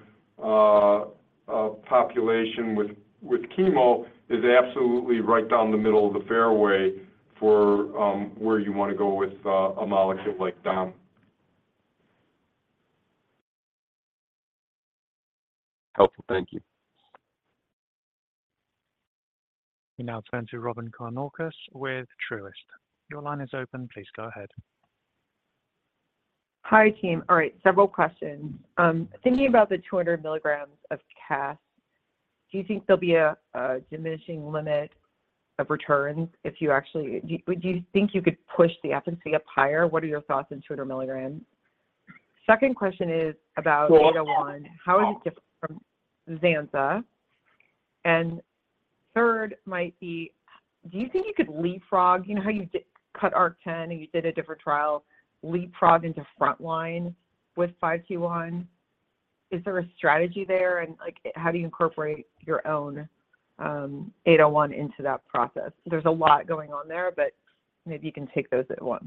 population with chemo is absolutely right down the middle of the fairway for where you wanna go with a molecule like DOM. Helpful. Thank you. We now turn to Robyn Karnauskas with Truist. Your line is open. Please go ahead. Hi, team. All right, several questions. Thinking about the 200 milligrams of CAS, do you think there'll be a diminishing limit of return if you actually... Do you think you could push the efficacy up higher? What are your thoughts in 200 milligrams? Second question is about 801. How is it different from Zanza? And third might be: Do you think you could leapfrog, you know, how you did cut ARC-10, and you did a different trial, leapfrog into front line with 521? Is there a strategy there, and, like, how do you incorporate your own 801 into that process? There's a lot going on there, but maybe you can take those at once.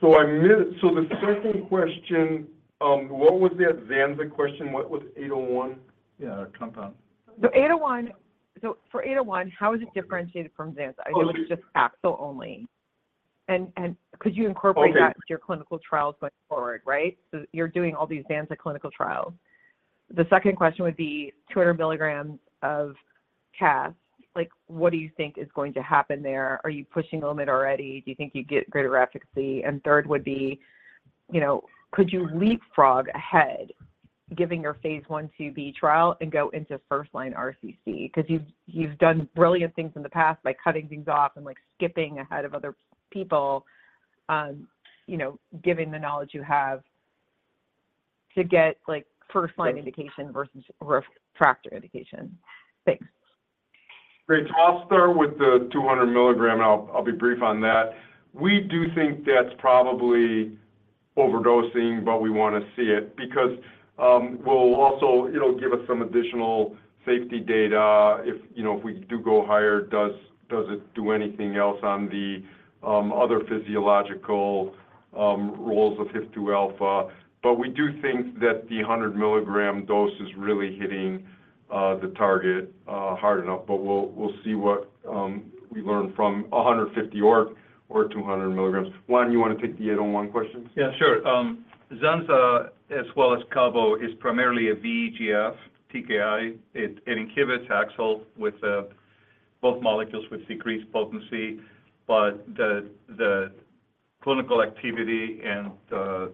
So I missed the second question, what was that Zanza question? What was 801? Yeah, our compound. So 801... So for 801, how is it differentiated from Zanza? I know it's just AXL only.... and, and could you incorporate that to your clinical trials going forward, right? So you're doing all these Zanza clinical trials. The second question would be 200 milligrams of CAS, like, what do you think is going to happen there? Are you pushing the limit already? Do you think you'd get greater efficacy? And third would be, you know, could you leapfrog ahead giving your phase I, 2B trial and go into first-line RCC? 'Cause you've done brilliant things in the past by cutting things off and, like, skipping ahead of other people, you know, given the knowledge you have to get, like, first-line indication versus refractory indication. Thanks. Great. So I'll start with the 200 milligram, and I'll, I'll be brief on that. We do think that's probably overdosing, but we wanna see it because, we'll also, it'll give us some additional safety data if, you know, if we do go higher, does, does it do anything else on the, other physiological, roles of HIF-2α? But we do think that the 100 milligram dose is really hitting, the target, hard enough. But we'll, we'll see what, we learn from a 150 or, or 200 milligrams. Juan, you wanna take the 801 questions? Yeah, sure. ZANZA as well as cabo is primarily a VEGF TKI. It, it inhibits AXL with both molecules with decreased potency, but the, the clinical activity and the,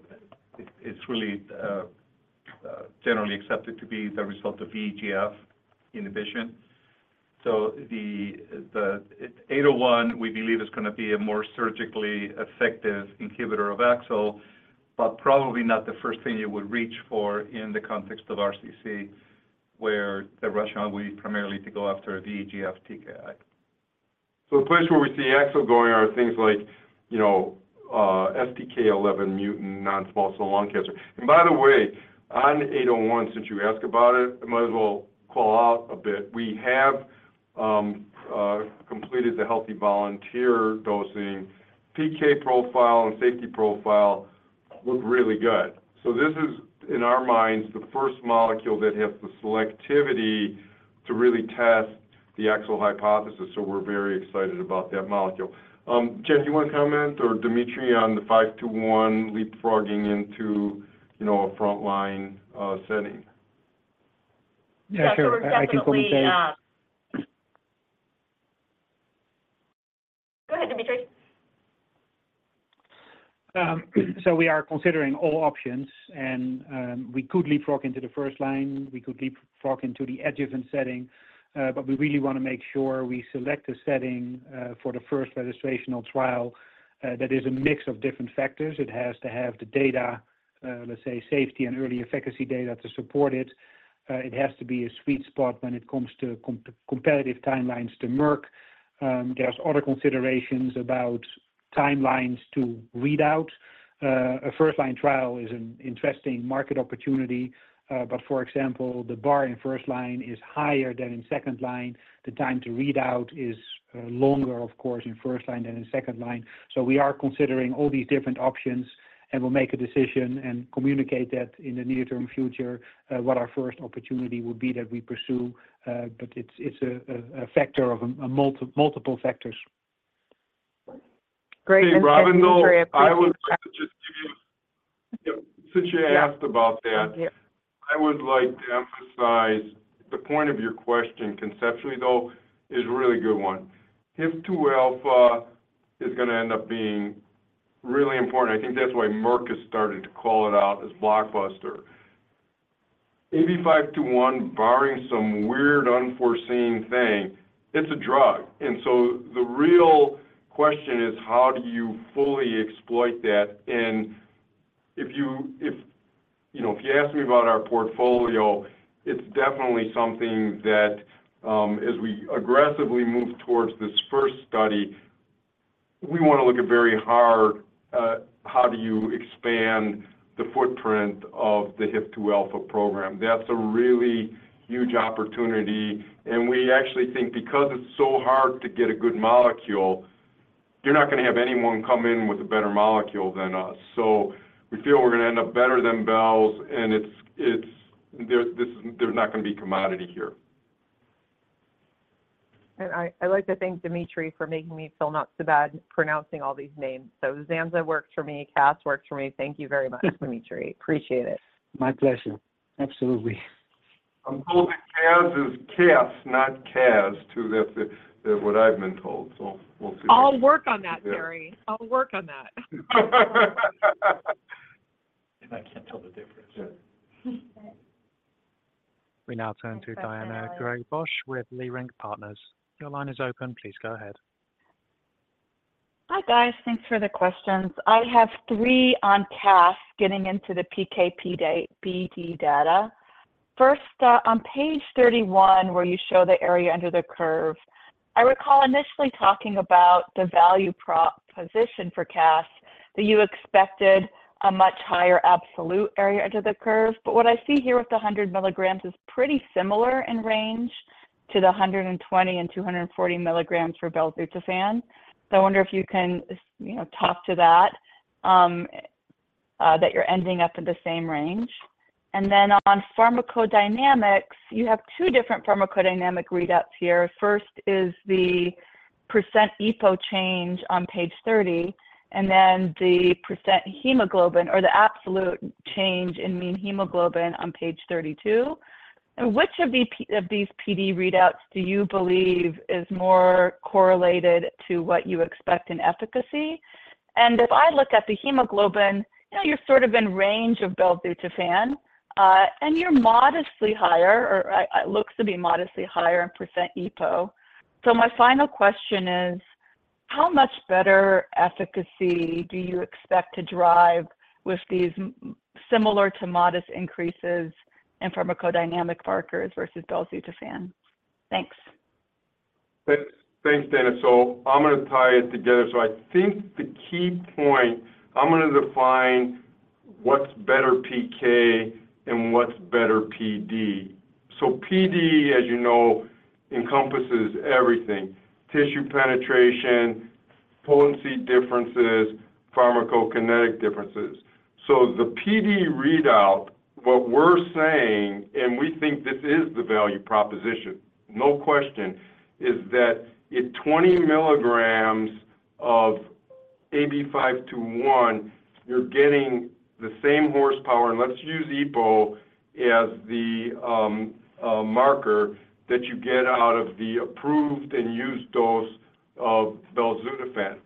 it, it's really generally accepted to be the result of VEGF inhibition. So the, the 801, we believe, is gonna be a more surgically effective inhibitor of AXL, but probably not the first thing you would reach for in the context of RCC, where the rationale will be primarily to go after a VEGF TKI. So the place where we see AXL going are things like, you know, STK11 mutant non-small cell lung cancer. And by the way, on 801, since you asked about it, I might as well call out a bit. We have completed the healthy volunteer dosing. PK profile and safety profile look really good. So this is, in our minds, the first molecule that has the selectivity to really test the AXL hypothesis, so we're very excited about that molecule. Jen, do you wanna comment, or Dimitri, on the 521 leapfrogging into, you know, a frontline setting? Yeah, sure. I can comment, Jen. Yeah, sure, definitely. Go ahead, Dimitry. So we are considering all options, and we could leapfrog into the first line. We could leapfrog into the adjuvant setting, but we really wanna make sure we select a setting for the first registrational trial. That is a mix of different factors. It has to have the data, let's say, safety and early efficacy data to support it. It has to be a sweet spot when it comes to competitive timelines to Merck. There's other considerations about timelines to read out. A first-line trial is an interesting market opportunity, but for example, the bar in first line is higher than in second line. The time to read out is longer, of course, in first line than in second line. So we are considering all these different options, and we'll make a decision and communicate that in the near-term future, what our first opportunity would be that we pursue. But it's a factor of multiple factors. Great. And Dimitri, I appreciate- I would like to just give you... Yep, since you asked about that- Yeah. Thank you.... I would like to emphasize the point of your question conceptually, though, is a really good one. HIF-2α is gonna end up being really important. I think that's why Merck has started to call it out as blockbuster. AB521, barring some weird, unforeseen thing, it's a drug. And so the real question is: How do you fully exploit that? And if you, you know, if you ask me about our portfolio, it's definitely something that, as we aggressively move towards this first study, we wanna look at very hard at how do you expand the footprint of the HIF-2α program. That's a really huge opportunity, and we actually think because it's so hard to get a good molecule, you're not gonna have anyone come in with a better molecule than us. So we feel we're gonna end up better than belzutifan, and there's not gonna be commodity here. I'd like to thank Dimitri for making me feel not so bad pronouncing all these names. So ZANZA works for me, CAS works for me. Thank you very much, Dimitri. Appreciate it. My pleasure. Absolutely. I'm told that CAS is CAS, not CAS, too. That's what I've been told, so we'll see. I'll work on that, Terry. Yeah. I'll work on that. I can't tell the difference. Yeah. We now turn to Daina Graybosch with Leerink Partners. Your line is open. Please go ahead. Hi, guys. Thanks for the questions. I have three on CAS getting into the PK/PD data. First, on page 31, where you show the area under the curve, I recall initially talking about the value prop position for CAS, that you expected a much higher absolute area under the curve. But what I see here with the 100 milligrams is pretty similar in range to the 120 and 240 milligrams for belzutifan. So I wonder if you can, you know, talk to that. That you're ending up in the same range. And then on pharmacodynamics, you have two different pharmacodynamic readouts here. First is the % EPO change on page 30, and then the % hemoglobin or the absolute change in mean hemoglobin on page 32. Which of these PD readouts do you believe is more correlated to what you expect in efficacy? And if I look at the hemoglobin, you know, you're sort of in range of belzutifan, and you're modestly higher, or it looks to be modestly higher in percent EPO. So my final question is, how much better efficacy do you expect to drive with these similar to modest increases in pharmacodynamic markers versus belzutifan? Thanks. Thanks, Daina. So I'm gonna tie it together. So I think the key point, I'm gonna define what's better PK and what's better PD. So PD, as you know, encompasses everything: tissue penetration, potency differences, pharmacokinetic differences. So the PD readout, what we're saying, and we think this is the value proposition, no question, is that in 20 milligrams of AB521, you're getting the same horsepower, and let's use EPO as the marker, that you get out of the approved and used dose of belzutifan.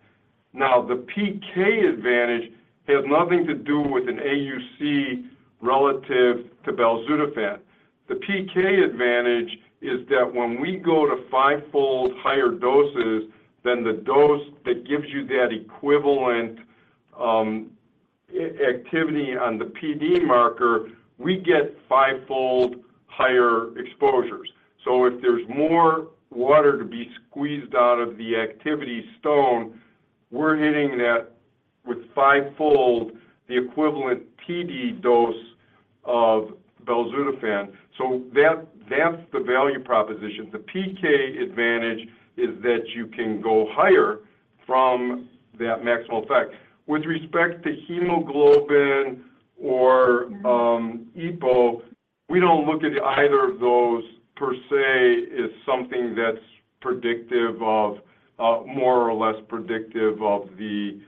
Now, the PK advantage has nothing to do with an AUC relative to belzutifan. The PK advantage is that when we go to 5-fold higher doses than the dose that gives you that equivalent activity on the PD marker, we get 5-fold higher exposures. So if there's more water to be squeezed out of the activity stone, we're hitting that with fivefold, the equivalent PD dose of belzutifan. So that, that's the value proposition. The PK advantage is that you can go higher from that maximal effect. With respect to hemoglobin or, EPO, we don't look at either of those per se, as something that's predictive of, more or less predictive of the,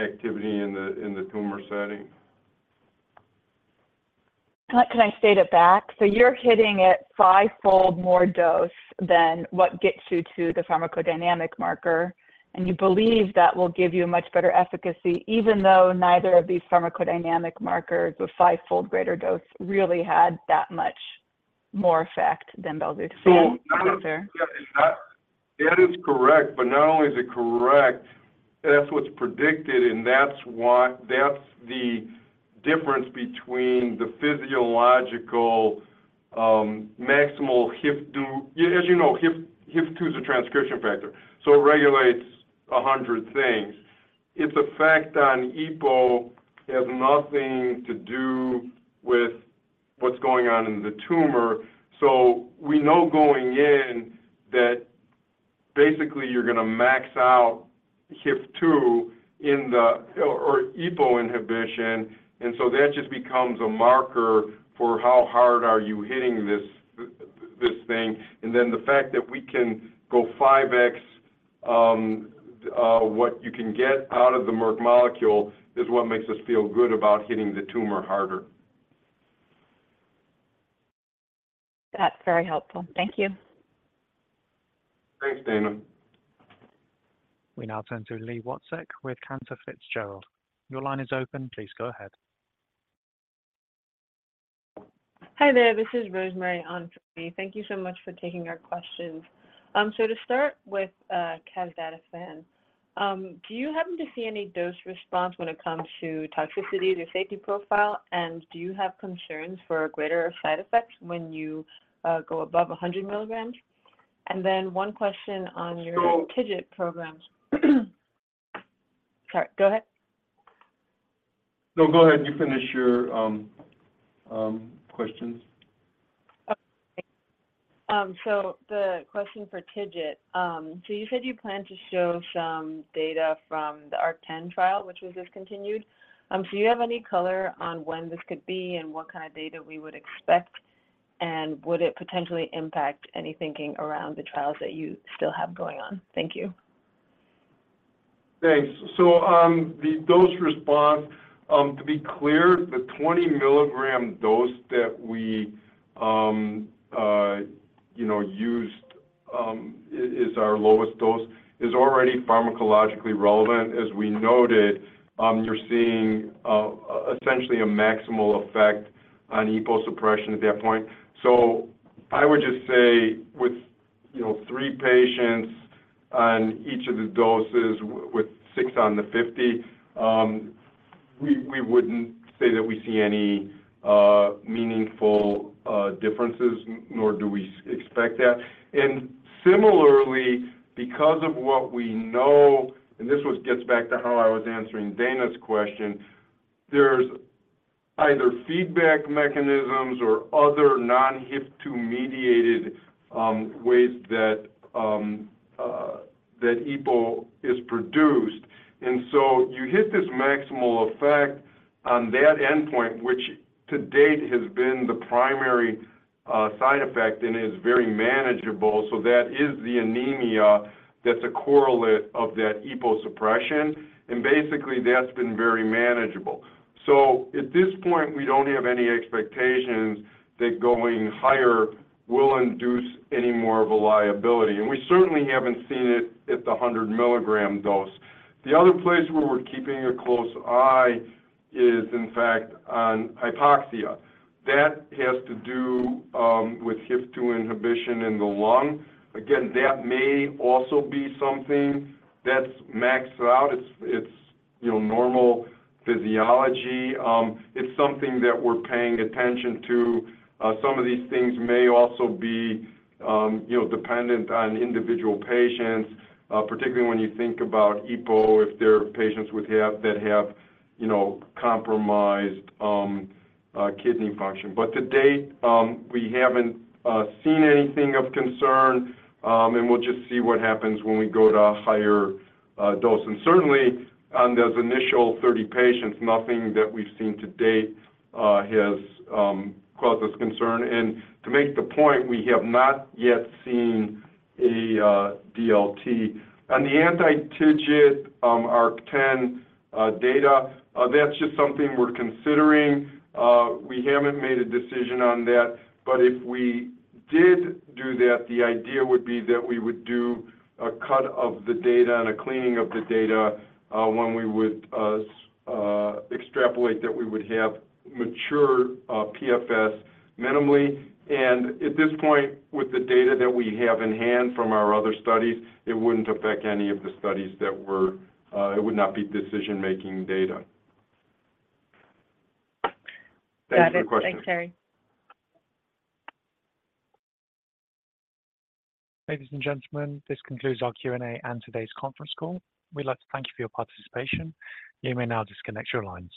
activity in the, in the tumor setting. Can I state it back? So you're hitting it fivefold more dose than what gets you to the pharmacodynamic marker, and you believe that will give you a much better efficacy, even though neither of these pharmacodynamic markers with fivefold greater dose really had that much more effect than belzutifan. So- Is that- That is correct, but not only is it correct, that's what's predicted, and that's why that's the difference between the physiological, maximal HIF-2. As you know, HIF, HIF-2 is a transcription factor, so it regulates 100 things. Its effect on EPO has nothing to do with what's going on in the tumor. So we know going in that basically you're gonna max out HIF-2 in the, or, or EPO inhibition, and so that just becomes a marker for how hard are you hitting this thing. And then the fact that we can go 5x what you can get out of the Merck molecule is what makes us feel good about hitting the tumor harder. That's very helpful. Thank you. Thanks, Daina. We now turn to Li Watsek with Cantor Fitzgerald. Your line is open. Please go ahead. Hi there, this is Rosemary Andre. Thank you so much for taking our questions. So to start with, casdatifan, do you happen to see any dose response when it comes to toxicity, the safety profile? And do you have concerns for greater side effects when you go above 100 milligrams? And then one question on your- So- TIGIT programs. Sorry, go ahead. No, go ahead. You finish your questions. Okay. So the question for TIGIT, so you said you plan to show some data from the ARC-10 trial, which was discontinued. So do you have any color on when this could be and what kind of data we would expect? And would it potentially impact any thinking around the trials that you still have going on? Thank you. Thanks. So, the dose response, to be clear, the 20-milligram dose that we, you know, used, is our lowest dose, is already pharmacologically relevant. As we noted, you're seeing essentially a maximal effect on EPO suppression at that point. So I would just say with, you know, three patients on each of the doses, with 6 on the 50, we wouldn't say that we see any meaningful differences, nor do we expect that. And similarly, because of what we know, and this gets back to how I was answering Dana's question, there's either feedback mechanisms or other non-HIF-2 mediated ways that EPO is produced. And so you hit this maximal effect on that endpoint, which to date has been the primary side effect and is very manageable. So that is the anemia that's a correlate of that EPO suppression, and basically, that's been very manageable. So at this point, we don't have any expectations that going higher will induce any more of a liability, and we certainly haven't seen it at the 100-milligram dose. The other place where we're keeping a close eye is, in fact, on hypoxia. That has to do with HIF-2 inhibition in the lung. Again, that may also be something that's maxed out. It's, you know, normal physiology. It's something that we're paying attention to. Some of these things may also be, you know, dependent on individual patients, particularly when you think about EPO, if there are patients that have, you know, compromised kidney function. To date, we haven't seen anything of concern, and we'll just see what happens when we go to a higher dose. Certainly, on those initial 30 patients, nothing that we've seen to date has caused us concern. To make the point, we have not yet seen a DLT. On the anti-TIGIT ARC-10 data, that's just something we're considering. We haven't made a decision on that, but if we did do that, the idea would be that we would do a cut of the data and a cleaning of the data, when we would extrapolate that we would have mature PFS minimally. At this point, with the data that we have in hand from our other studies, it wouldn't affect any of the studies that we're. It would not be decision-making data. Thank you for the question. Got it. Thanks, Terry. Ladies and gentlemen, this concludes our Q&A and today's conference call. We'd like to thank you for your participation. You may now disconnect your lines.